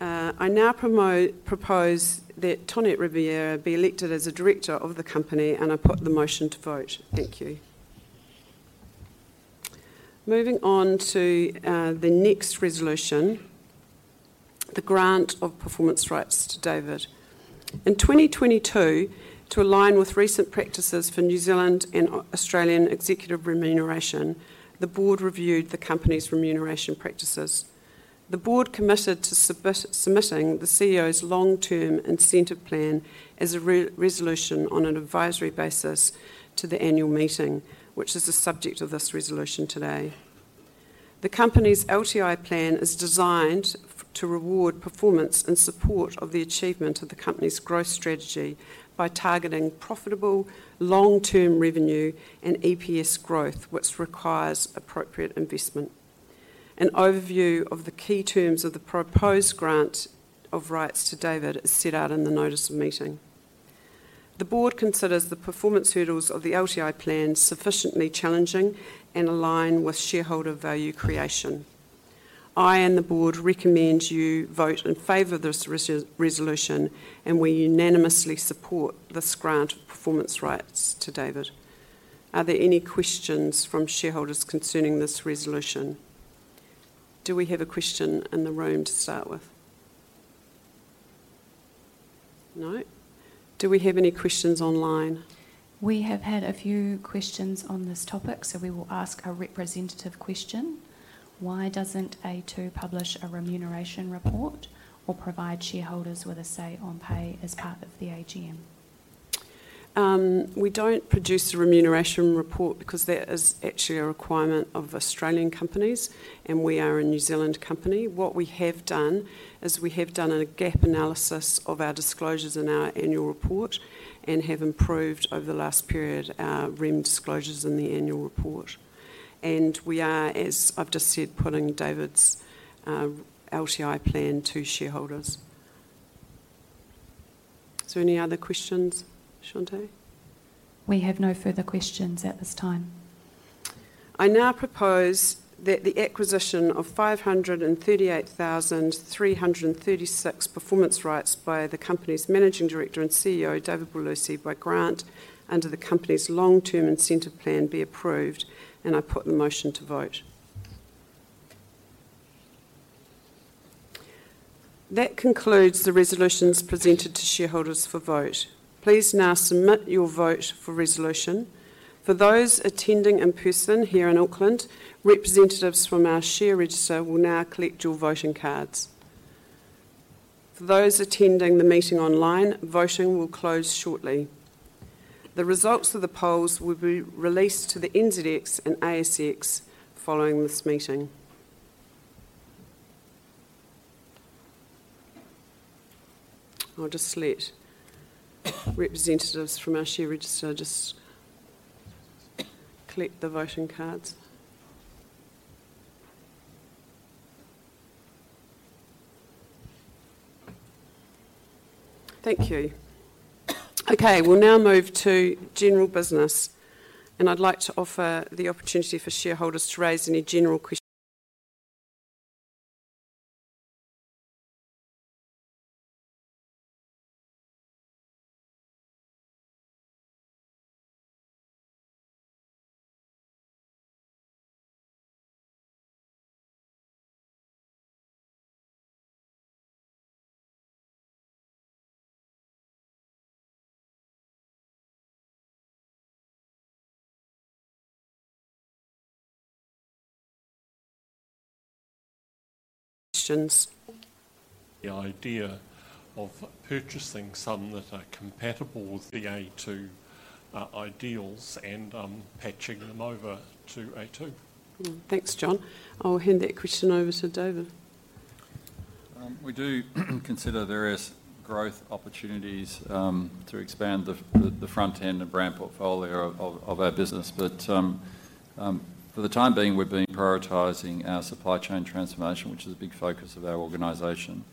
I now propose that Tonet Rivera be elected as a director of the company, and I put the motion to vote. Thank you. Moving on to the next resolution, the grant of performance rights to David. In 2022, to align with recent practices for New Zealand and Australian executive remuneration, the board reviewed the company's remuneration practices. The board committed to submitting the CEO's long-term incentive plan as a resolution on an advisory basis to the annual meeting, which is the subject of this resolution today. The company's LTI plan is designed to reward performance in support of the achievement of the company's growth strategy by targeting profitable long-term revenue and EPS growth, which requires appropriate investment. An overview of the key terms of the proposed grant of rights to David is set out in the notice of meeting. The board considers the performance hurdles of the LTI plan sufficiently challenging and aligned with shareholder value creation. I and the board recommend you vote in favor of this resolution, and we unanimously support this grant of performance rights to David. Are there any questions from shareholders concerning this resolution? Do we have a question in the room to start with? No? Do we have any questions online? We have had a few questions on this topic, so we will ask a representative question. Why doesn't A2 publish a remuneration report or provide shareholders with a say on pay as part of the AGM? We don't produce a remuneration report because that is actually a requirement of Australian companies, and we are a New Zealand company. What we have done is we have done a gap analysis of our disclosures in our annual report and have improved over the last period our REM disclosures in the annual report, and we are, as I've just said, putting David's LTI plan to shareholders, so any other questions, Shante? We have no further questions at this time. I now propose that the acquisition of 538,336 performance rights by the company's managing director and CEO, David Bortolussi, by grant under the company's long-term incentive plan be approved, and I put the motion to vote. That concludes the resolutions presented to shareholders for vote. Please now submit your vote for resolution. For those attending in person here in Auckland, representatives from our share register will now collect your voting cards. For those attending the meeting online, voting will close shortly. The results of the polls will be released to the NZX and ASX following this meeting. I'll just let representatives from our share register just collect the voting cards. Thank you. Okay, we'll now move to general business, and I'd like to offer the opportunity for shareholders to raise any general questions. Questions? The idea of purchasing some that are compatible with the A2 ideals and patching them over to A2. Thanks, John. I'll hand that question over to David. We do consider various growth opportunities to expand the front end and brand portfolio of our business, but for the time being, we've been prioritizing our supply chain transformation, which is a big focus of our organization,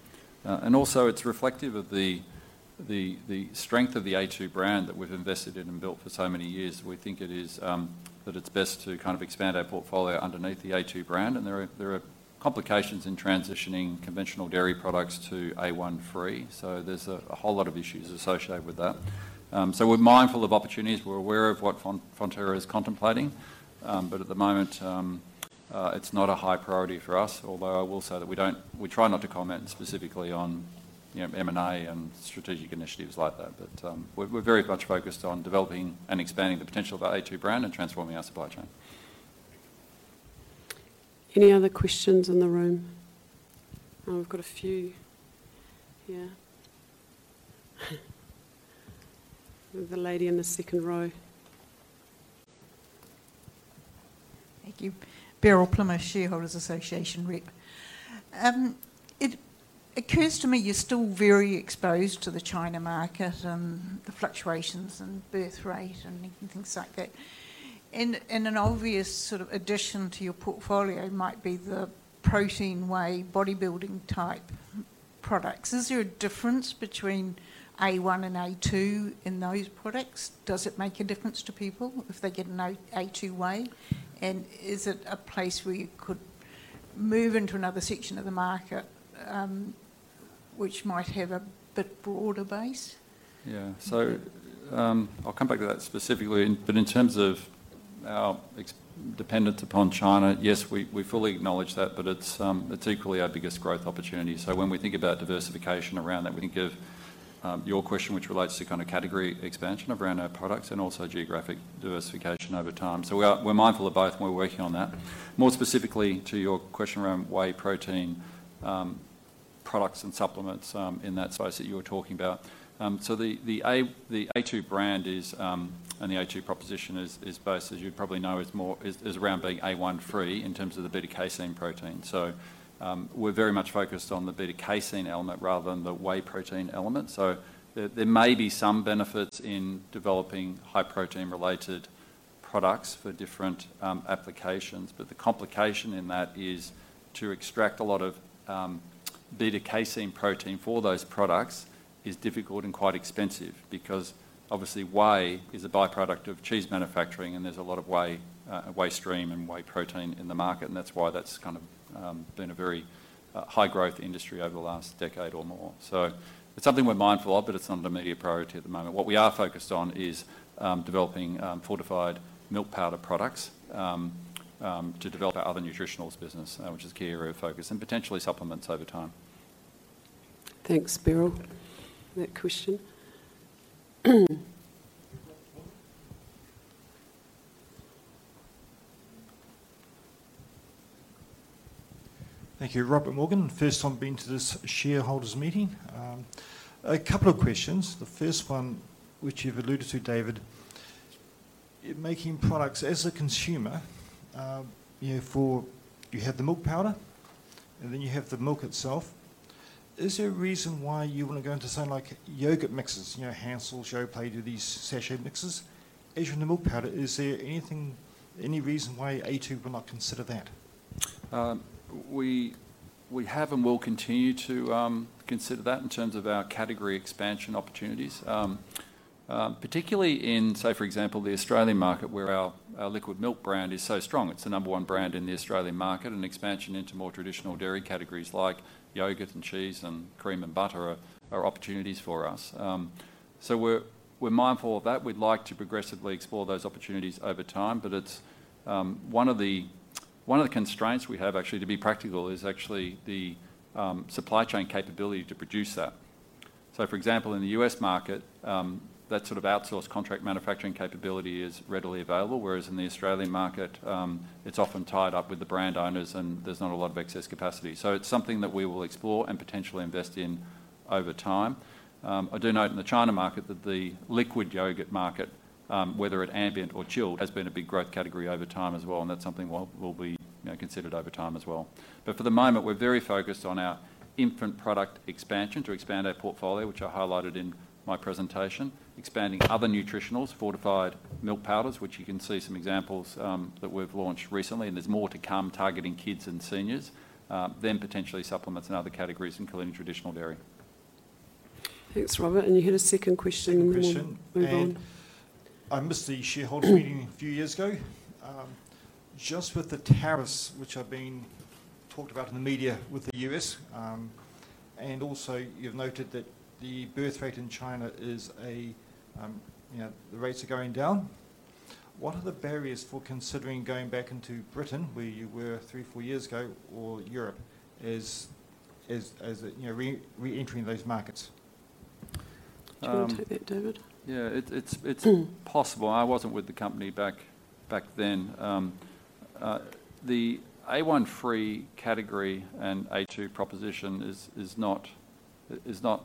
and also, it's reflective of the strength of the A2 brand that we've invested in and built for so many years. We think it is that it's best to kind of expand our portfolio underneath the A2 brand, and there are complications in transitioning conventional dairy products to A1-free, so there's a whole lot of issues associated with that, so we're mindful of opportunities. We're aware of what Fonterra is contemplating, but at the moment, it's not a high priority for us, although I will say that we try not to comment specifically on M&A and strategic initiatives like that, but we're very much focused on developing and expanding the potential of our A2 brand and transforming our supply chain. Any other questions in the room? We've got a few here. The lady in the second row. Thank you. Beryl Plimmer, Shareholders' Association, rep. It occurs to me you're still very exposed to the China market and the fluctuations in birth rate and things like that. And an obvious sort of addition to your portfolio might be the protein whey, bodybuilding type products. Is there a difference between A1 and A2 in those products? Does it make a difference to people if they get an A2 whey? And is it a place where you could move into another section of the market which might have a bit broader base? I'll come back to that specifically, but in terms of our dependence upon China, yes, we fully acknowledge that, but it's equally our biggest growth opportunity. So when we think about diversification around that, we think of your question, which relates to kind of category expansion around our products and also geographic diversification over time. We're mindful of both, and we're working on that. More specifically to your question around whey protein products and supplements in that space that you were talking about. So the A2 brand and the A2 proposition is based, as you probably know, is around being A1 free in terms of the beta-casein protein. So we're very much focused on the beta-casein element rather than the whey protein element. There may be some benefits in developing high protein-related products for different applications, but the complication in that is to extract a lot of beta-casein protein for those products is difficult and quite expensive because, obviously, whey is a byproduct of cheese manufacturing, and there's a lot of whey stream and whey protein in the market, and that's why that's kind of been a very high-growth industry over the last decade or more. It's something we're mindful of, but it's not an immediate priority at the moment. What we are focused on is developing fortified milk powder products to develop our other nutritionals business, which is a key area of focus, and potentially supplements over time. Thanks, Beryl. Next question. Thank you, Robert Morgan. First time being to this shareholders' meeting. A couple of questions. The first one, which you've alluded to, David, making products as a consumer, you have the milk powder, and then you have the milk itself. Is there a reason why you want to go into something like yogurt mixes, Hansells Cherry Pay, do these sachet mixes, as you're in the milk powder? Is there any reason why A2 will not consider that? We have and will continue to consider that in terms of our category expansion opportunities, particularly in, say, for example, the Australian market where our liquid milk brand is so strong. It's the number one brand in the Australian market, and expansion into more traditional dairy categories like yogurt and cheese and cream and butter are opportunities for us. We're mindful of that. We'd like to progressively explore those opportunities over time, but one of the constraints we have, actually, to be practical, is actually the supply chain capability to produce that. So, for example, in the US market, that sort of outsourced contract manufacturing capability is readily available, whereas in the Australian market, it's often tied up with the brand owners, and there's not a lot of excess capacity. So it's something that we will explore and potentially invest in over time. I do note in the China market that the liquid yogurt market, whether it's ambient or chilled, has been a big growth category over time as well, and that's something we'll be considered over time as well, but for the moment, we're very focused on our infant product expansion to expand our portfolio, which I highlighted in my presentation, expanding other nutritionals fortified milk powders, which you can see some examples that we've launched recently, and there's more to come targeting kids and seniors, then potentially supplements and other categories including traditional dairy. Thanks, Robert, and you had a second question in the room. Question. Move on. I missed the shareholders meeting a few years ago. Just with the tariffs, which have been talked about in the media with the U.S., and also you've noted that the birth rate in China is the rates are going down. What are the barriers for considering going back into Britain, where you were three or four years ago, or Europe, as re-entering those markets? Try and take that, David. Yeah, it's possible. I wasn't with the company back then. The A1 protein-free category and A2 proposition is not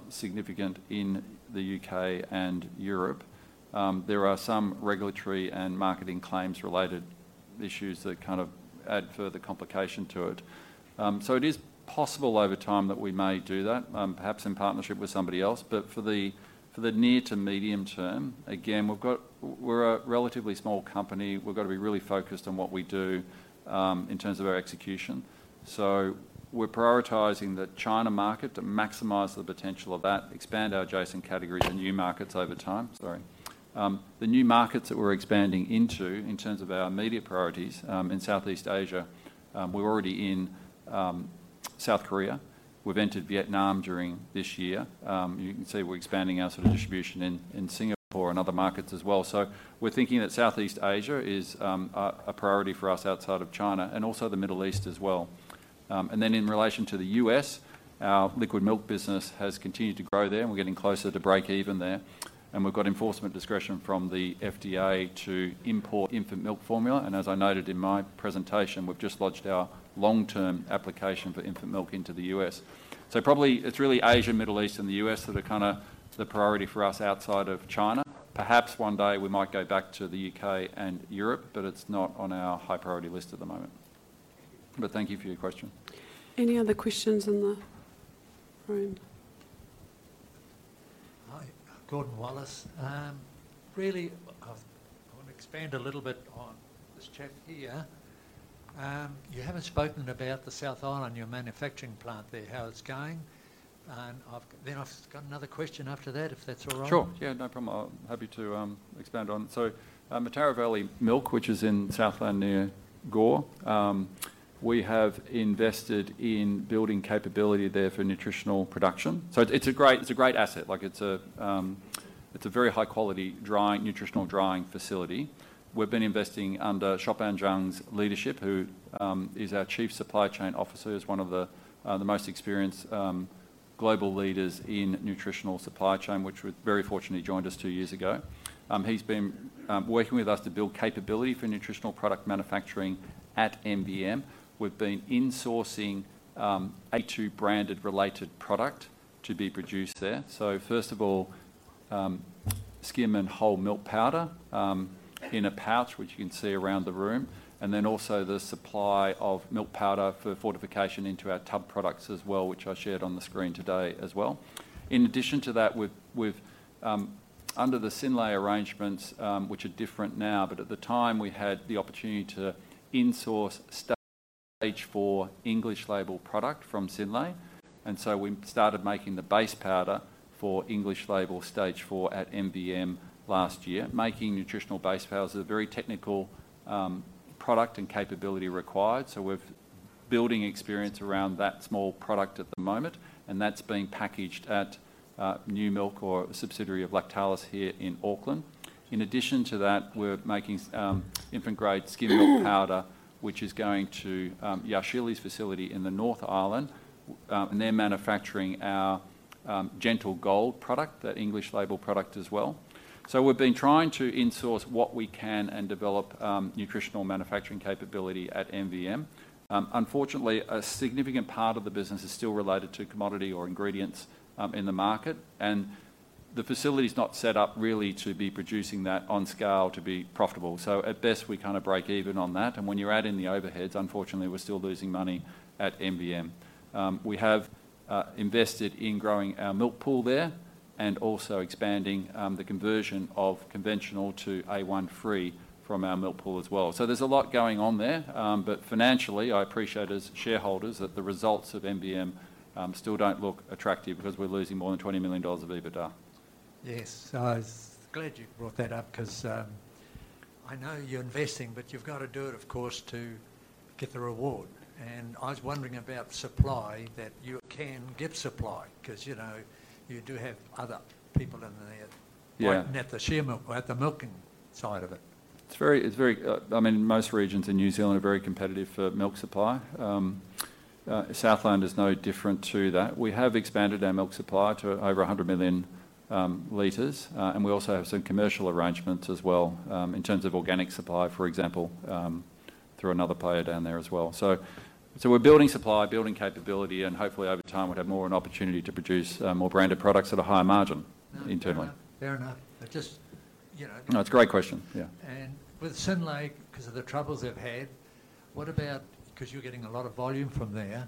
significant in the UK and Europe. There are some regulatory and marketing claims-related issues that kind of add further complication to it. It is possible over time that we may do that, perhaps in partnership with somebody else, but for the near to medium term, again, we're a relatively small company. We've got to be really focused on what we do in terms of our execution. We're prioritising the China market to maximise the potential of that, expand our adjacent categories and new markets over time. Sorry. The new markets that we're expanding into in terms of our immediate priorities in Southeast Asia, we're already in South Korea. We've entered Vietnam during this year. You can see we're expanding our sort of distribution in Singapore and other markets as well. We're thinking that Southeast Asia is a priority for us outside of China and also the Middle East as well. Then in relation to the U.S., our liquid milk business has continued to grow there, and we're getting closer to break-even there. We've got enforcement discretion from the FDA to import infant milk formula, and as I noted in my presentation, we've just lodged our long-term application for infant milk into the U.S. Probably it's really Asia, Middle East, and the U.S. that are kind of the priority for us outside of China. Perhaps one day we might go back to the U.K. and Europe, but it's not on our high-priority list at the moment. Thank you for your question. Any other questions in the room? Hi, Gordon Wallace. Really, I want to expand a little bit on this chap here. You haven't spoken about the South Island, your manufacturing plant there, how it's going. Then I've got another question after that, if that's all right. Sure. Yeah, no problem. I'm happy to expand on it, so Mataura Valley Milk, which is in Southland near Gore, we have invested in building capability there for nutritional production. It's a great asset. It's a very high-quality nutritional drying facility. We've been investing under Chopin Zhang's leadership, who is our Chief Supply Chain Officer, is one of the most experienced global leaders in nutritional supply chain, which very fortunately joined us two years ago. He's been working with us to build capability for nutritional product manufacturing at MVM. We've been insourcing a2 branded related product to be produced there. So first of all, skim and whole milk powder in a pouch, which you can see around the room, and then also the supply of milk powder for fortification into our tub products as well, which I shared on the screen today as well. In addition to that, under the Synlait arrangements, which are different now, but at the time we had the opportunity to insource stage four English label product from Synlait, and so we started making the base powder for English label stage four at MBM last year, making nutritional base powders a very technical product and capability required. We're building experience around that small product at the moment, and that's being packaged at New Milk or a subsidiary of Lactalis here in Auckland. In addition to that, we're making infant-grade skim milk powder, which is going to Yashili's facility in the North Island, and they're manufacturing our Gentle Gold product, that English label product as well. So we've been trying to insource what we can and develop nutritional manufacturing capability at MBM. Unfortunately, a significant part of the business is still related to commodity or ingredients in the market, and the facility's not set up really to be producing that on scale to be profitable. So at best, we kind of break even on that, and when you're adding the overheads, unfortunately, we're still losing money at MBM. We have invested in growing our milk pool there and also expanding the conversion of conventional to A1-free from our milk pool as well. So there's a lot going on there, but financially, I appreciate as shareholders that the results of MBM still don't look attractive because we're losing more than 20 million dollars of EBITDA. Yes. Glad you brought that up because I know you're investing, but you've got to do it, of course, to get the reward, and I was wondering about supply that you can get supply because you do have other people in there at the milking side of it. It's very, I mean, most regions in New Zealand are very competitive for milk supply. Southland is no different to that. We have expanded our milk supply to over 100 million liters, and we also have some commercial arrangements as well in terms of organic supply, for example, through another player down there as well. We're building supply, building capability, and hopefully, over time, we'll have more an opportunity to produce more branded products at a higher margin internally. Fair enough. Just. No, it's a great question. Yeah. With Synlait, because of the troubles they've had, what about, because you're getting a lot of volume from there,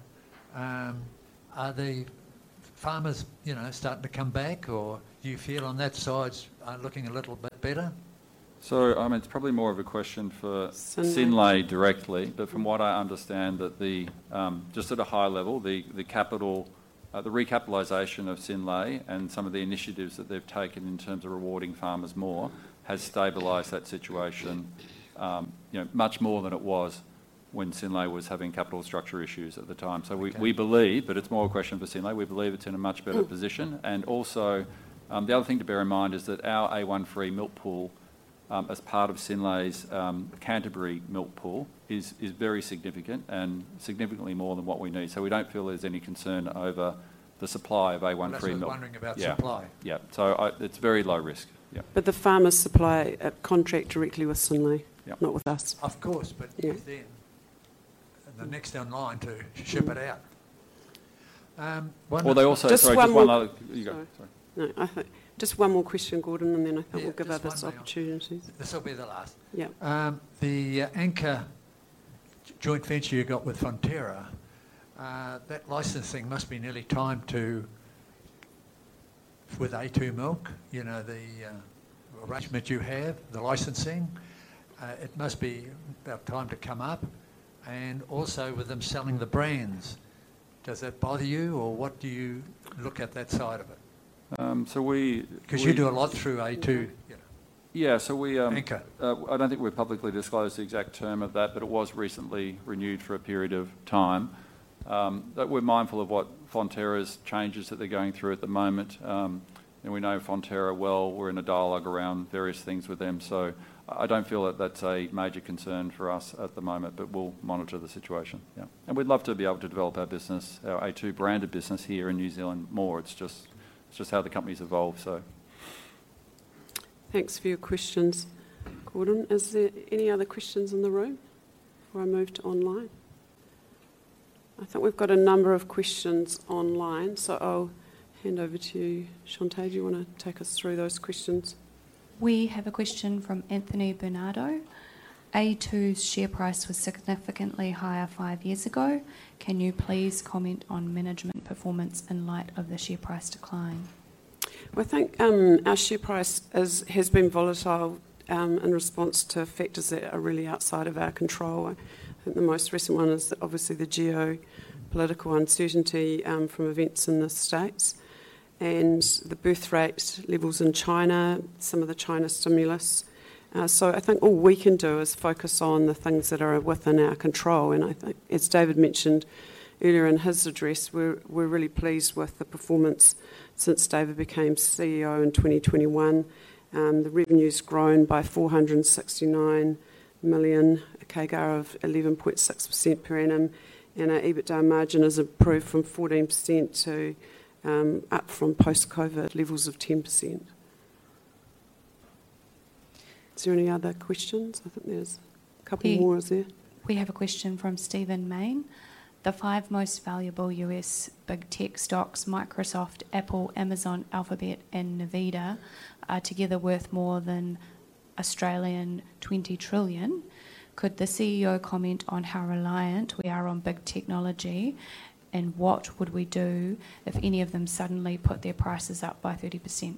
are the farmers starting to come back, or do you feel on that side looking a little bit better? It's probably more of a question for Synlait directly, but from what I understand, just at a high level, the recapitalization of Synlait and some of the initiatives that they've taken in terms of rewarding farmers more has stabilized that situation much more than it was when Synlait was having capital structure issues at the time. We believe, but it's more a question for Synlait. We believe it's in a much better position. And also, the other thing to bear in mind is that our A1 protein-free milk pool as part of Synlait's Canterbury milk pool is very significant and significantly more than what we need. We don't feel there's any concern over the supply of A1 protein-free milk. I was just wondering about supply. It's very low risk. But the farmers' supply contract directly with Synlait, not with us. The next online to ship it out. Well, they also, sorry, just one other, sorry. Just one more question, Gordon, and then I think we'll give others opportunities. This will be the last. The Anchor joint venture you got with Fonterra, that licensing must be nearly time to with a2 milk, the arrangement you have, the licensing. It must be about time to come up. And also with them selling the brands, does that bother you, or what do you look at that side of it? So we. Because you do a lot through A2. Yeah. So we. Anchor. I don't think we've publicly disclosed the exact term of that, but it was recently renewed for a period of time. We're mindful of what Fonterra's changes that they're going through at the moment, and we know Fonterra well. We're in a dialogue around various things with them. I don't feel that that's a major concern for us at the moment, but we'll monitor the situation. Yeah, and we'd love to be able to develop our business, our a2 branded business here in New Zealand more. It's just how the company's evolved, so. Thanks for your questions, Gordon. Is there any other questions in the room? Or I moved to online? I think we've got a number of questions online, so I'll hand over to you. Chante do you want to take us through those questions? We have a question from Anthony Bernardo. A2's share price was significantly higher five years ago. Can you please comment on management performance in light of the share price decline? I think our share price has been volatile in response to factors that are really outside of our control. The most recent one is obviously the geopolitical uncertainty from events in the States and the birth rate levels in China, some of the China stimulus. I think all we can do is focus on the things that are within our control. And I think, as David mentioned earlier in his address, we're really pleased with the performance since David became CEO in 2021. The revenue's grown from 469 million at a CAGR of 11.6% per annum, and our EBITDA margin has improved to 14% up from post-COVID levels of 10%. Is there any other questions? I think there's a couple more there. We have a question from Stephen Mayne. The five most valuable U.S. big tech stocks, Microsoft, Apple, Amazon, Alphabet, and Nvidia, are together worth more than 20 trillion. Could the CEO comment on how reliant we are on big technology and what would we do if any of them suddenly put their prices up by 30%?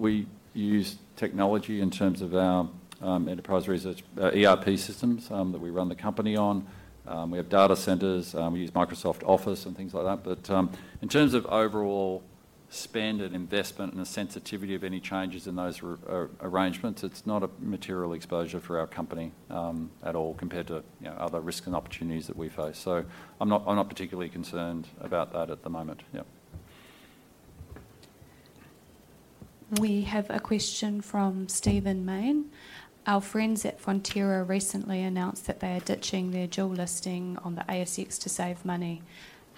We use technology in terms of our enterprise resource ERP systems that we run the company on. We have data centers. We use Microsoft Office and things like that. But in terms of overall spend and investment and the sensitivity of any changes in those arrangements, it's not a material exposure for our company at all compared to other risks and opportunities that we face. So I'm not particularly concerned about that at the moment. We have a question from Stephen Mayne. Our friends at Fonterra recently announced that they are ditching their dual listing on the ASX to save money.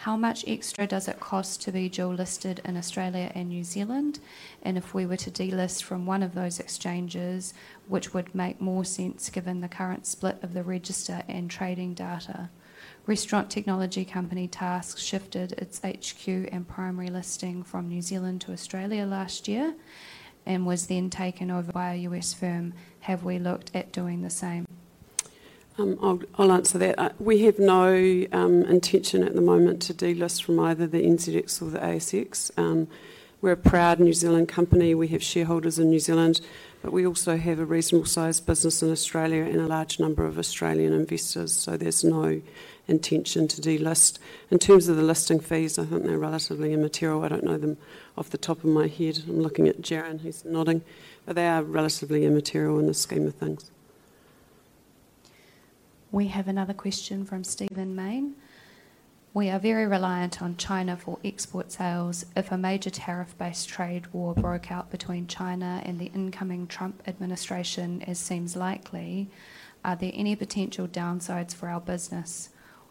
How much extra does it cost to be dual listed in Australia and New Zealand? If we were to delist from one of those exchanges, which would make more sense given the current split of the register and trading data? Restaurant technology company Task Group shifted its HQ and primary listing from New Zealand to Australia last year and was then taken over by a US firm. Have we looked at doing the same? I'll answer that. We have no intention at the moment to delist from either the NZX or the ASX. We're a proud New Zealand company. We have shareholders in New Zealand, but we also have a reasonable size business in Australia and a large number of Australian investors. There's no intention to delist. In terms of the listing fees, I think they're relatively immaterial. I don't know them off the top of my head. I'm looking at Jaron, who's nodding. But they are relatively immaterial in the scheme of things. We have another question from Stephen Mayne. We are very reliant on China for export sales. If a major tariff-based trade war broke out between China and the incoming Trump administration, as seems likely, are there any potential downsides for our business?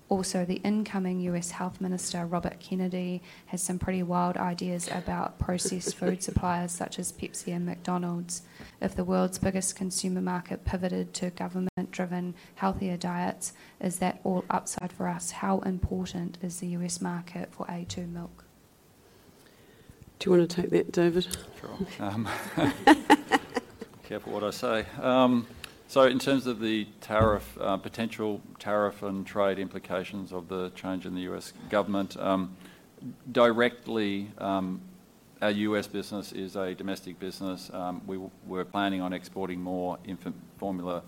Also, the incoming US Health Minister, Robert F. Kennedy Jr., has some pretty wild ideas about processed food suppliers such as Pepsi and McDonald's. If the world's biggest consumer market pivoted to government-driven healthier diets, is that all upside for us? How important is the US market for a2 milk? Do you want to take that, David? Sure. Careful what I say. So in terms of the potential tariff and trade implications of the change in the U.S. government, directly, our U.S. business is a domestic business. We're planning on exporting more infant formula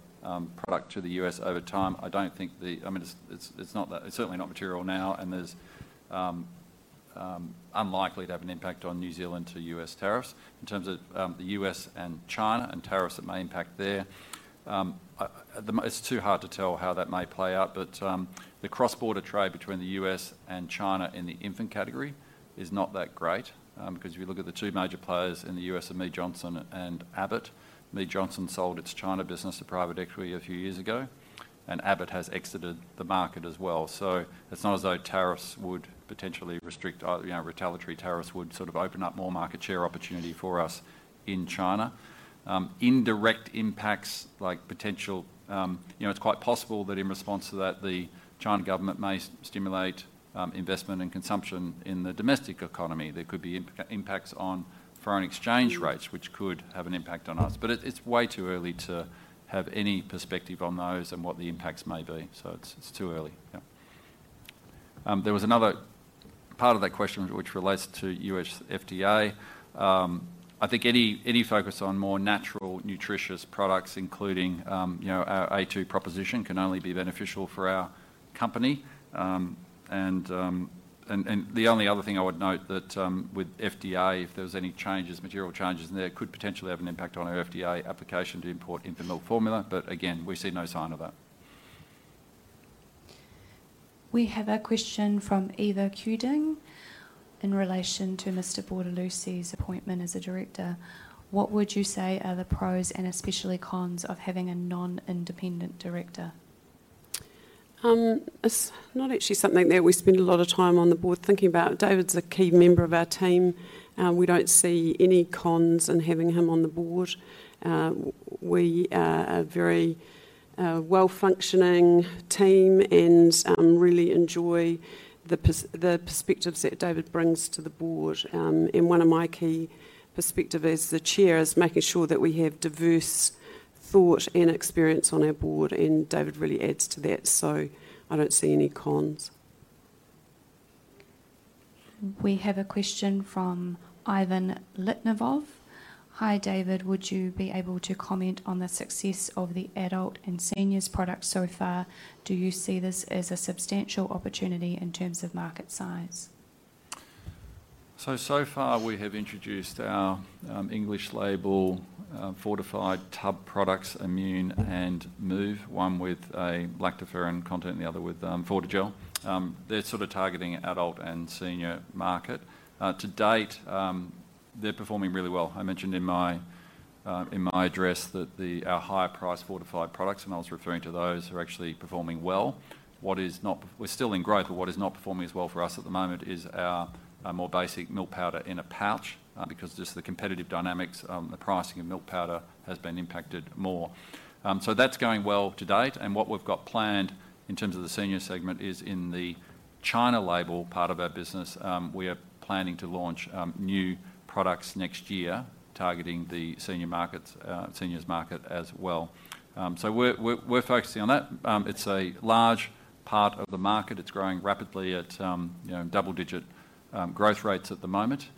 product to the U.S. over time. I don't think the, I mean, it's certainly not material now, and it's unlikely to have an impact on New Zealand to U.S. tariffs in terms of the U.S. and China and tariffs that may impact there. It's too hard to tell how that may play out, but the cross-border trade between the U.S. and China in the infant category is not that great because if you look at the two major players in the U.S. are Mead Johnson and Abbott. Mead Johnson sold its China business to private equity a few years ago, and Abbott has exited the market as well. It's not as though tariffs would potentially restrict. Retaliatory tariffs would sort of open up more market share opportunity for us in China. Indirect impacts like potential. It's quite possible that in response to that, the Chinese government may stimulate investment and consumption in the domestic economy. There could be impacts on foreign exchange rates, which could have an impact on us. But it's way too early to have any perspective on those and what the impacts may be. It's too early. There was another part of that question which relates to U.S. FDA. I think any focus on more natural nutritious products, including our A2 proposition, can only be beneficial for our company. And the only other thing I would note that with FDA, if there were any material changes in there, it could potentially have an impact on our FDA application to import infant milk formula. But again, we see no sign of that. We have a question from Eva Kuding in relation to Mr. Bortolussi's appointment as a director. What would you say are the pros and especially cons of having a non-independent director? It's not actually something that we spend a lot of time on the board thinking about. David's a key member of our team. We don't see any cons in having him on the board. We are a very well-functioning team and really enjoy the perspectives that David brings to the board. One of my key perspectives as the chair is making sure that we have diverse thought and experience on our board, and David really adds to that. So I don't see any cons. We have a question from Ivan Litvinov. Hi, David. Would you be able to comment on the success of the adult and seniors products so far? Do you see this as a substantial opportunity in terms of market size? So far, we have introduced our English label fortified tub products, Immune and Move, one with a lactoferrin content and the other with Fortigel. They're sort of targeting adult and senior market. To date, they're performing really well. I mentioned in my address that our higher-priced fortified products, and I was referring to those, are actually performing well. We're still in growth, but what is not performing as well for us at the moment is our more basic milk powder in a pouch because just the competitive dynamics, the pricing of milk powder has been impacted more. So that's going well to date. And what we've got planned in terms of the senior segment is in the China label part of our business. We are planning to launch new products next year targeting the seniors market as well. So we're focusing on that. It's a large part of the market. It's growing rapidly at double-digit growth rates at the moment.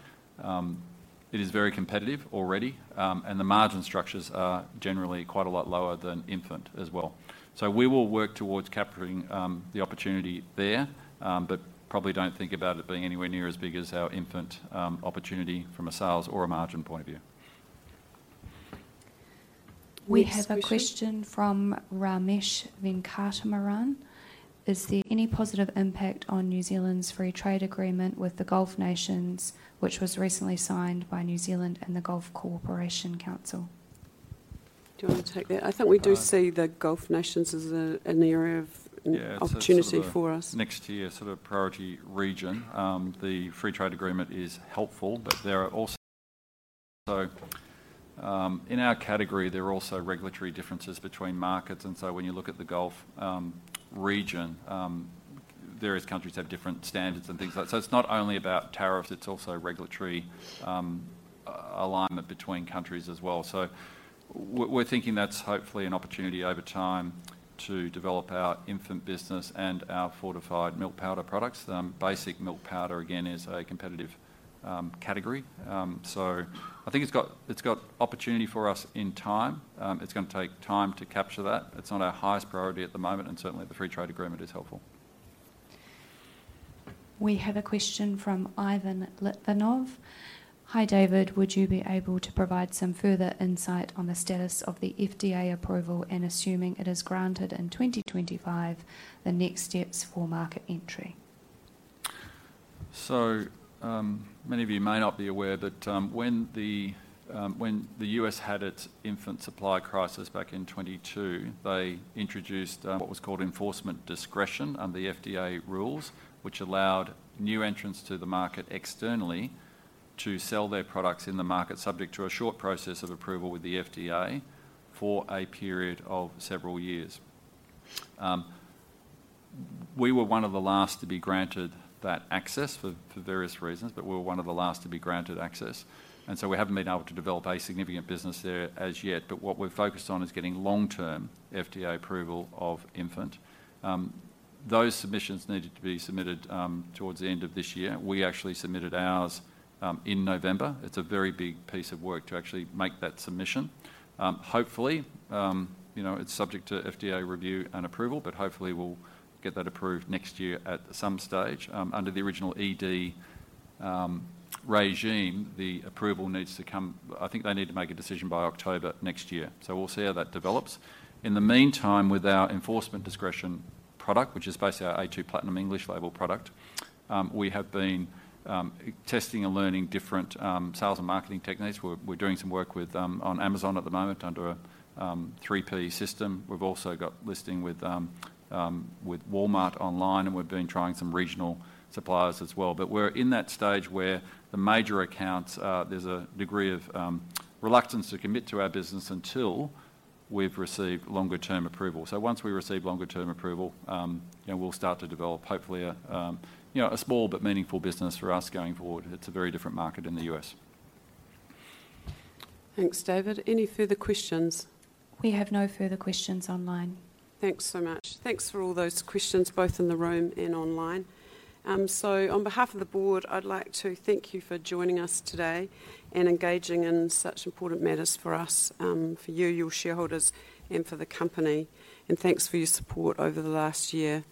It is very competitive already, and the margin structures are generally quite a lot lower than infant as well. So we will work towards capturing the opportunity there, but probably don't think about it being anywhere near as big as our infant opportunity from a sales or a margin point of view. We have a question from Ramesh Venkataraman. Is there any positive impact on New Zealand's free trade agreement with the Gulf Nations, which was recently signed by New Zealand and the Gulf Cooperation Council? Do you want to take that? I think we do see the Gulf Nations as an area of opportunity for us. Next year, sort of priority region, the free trade agreement is helpful, but there are also so in our category, there are also regulatory differences between markets. And so when you look at the Gulf region, various countries have different standards and things like that. So it's not only about tariffs. It's also regulatory alignment between countries as well. We're thinking that's hopefully an opportunity over time to develop our infant business and our fortified milk powder products. Basic milk powder, again, is a competitive category. So I think it's got opportunity for us in time. It's going to take time to capture that. It's not our highest priority at the moment, and certainly the free trade agreement is helpful. We have a question from Ivan Litvinov. Hi, David. Would you be able to provide some further insight on the status of the FDA approval and, assuming it is granted in 2025, the next steps for market entry? Many of you may not be aware, but when the U.S. had its infant supply crisis back in 2022, they introduced what was called Enforcement Discretion under the FDA rules, which allowed new entrants to the market externally to sell their products in the market, subject to a short process of approval with the FDA for a period of several years. We were one of the last to be granted that access for various reasons, but we were one of the last to be granted access. We haven't been able to develop a significant business there as yet. What we're focused on is getting long-term FDA approval of infant. Those submissions needed to be submitted towards the end of this year. We actually submitted ours in November. It's a very big piece of work to actually make that submission. Hopefully, it's subject to FDA review and approval, but hopefully, we'll get that approved next year at some stage. Under the original ED regime, the approval needs to come, I think they need to make a decision by October next year. So we'll see how that develops. In the meantime, with our enforcement discretion product, which is basically our A2 Platinum English label product, we have been testing and learning different sales and marketing techniques. We're doing some work on Amazon at the moment under a 3P system. We've also got listing with Walmart online, and we've been trying some regional suppliers as well. But we're in that stage where the major accounts, there's a degree of reluctance to commit to our business until we've received longer-term approval. So once we receive longer-term approval, we'll start to develop, hopefully, a small but meaningful business for us going forward. It's a very different market in the U.S. Thanks, David. Any further questions? We have no further questions online. Thanks so much. Thanks for all those questions, both in the room and online. So on behalf of the board, I'd like to thank you for joining us today and engaging in such important matters for us, for you, your shareholders, and for the company. Thanks for your support over the last year.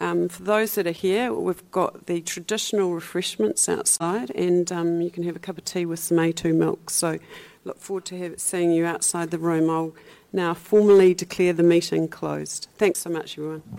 For those that are here, we've got the traditional refreshments outside, and you can have a cup of tea with some a2 milk. So look forward to seeing you outside the room. I'll now formally declare the meeting closed. Thanks so much, everyone.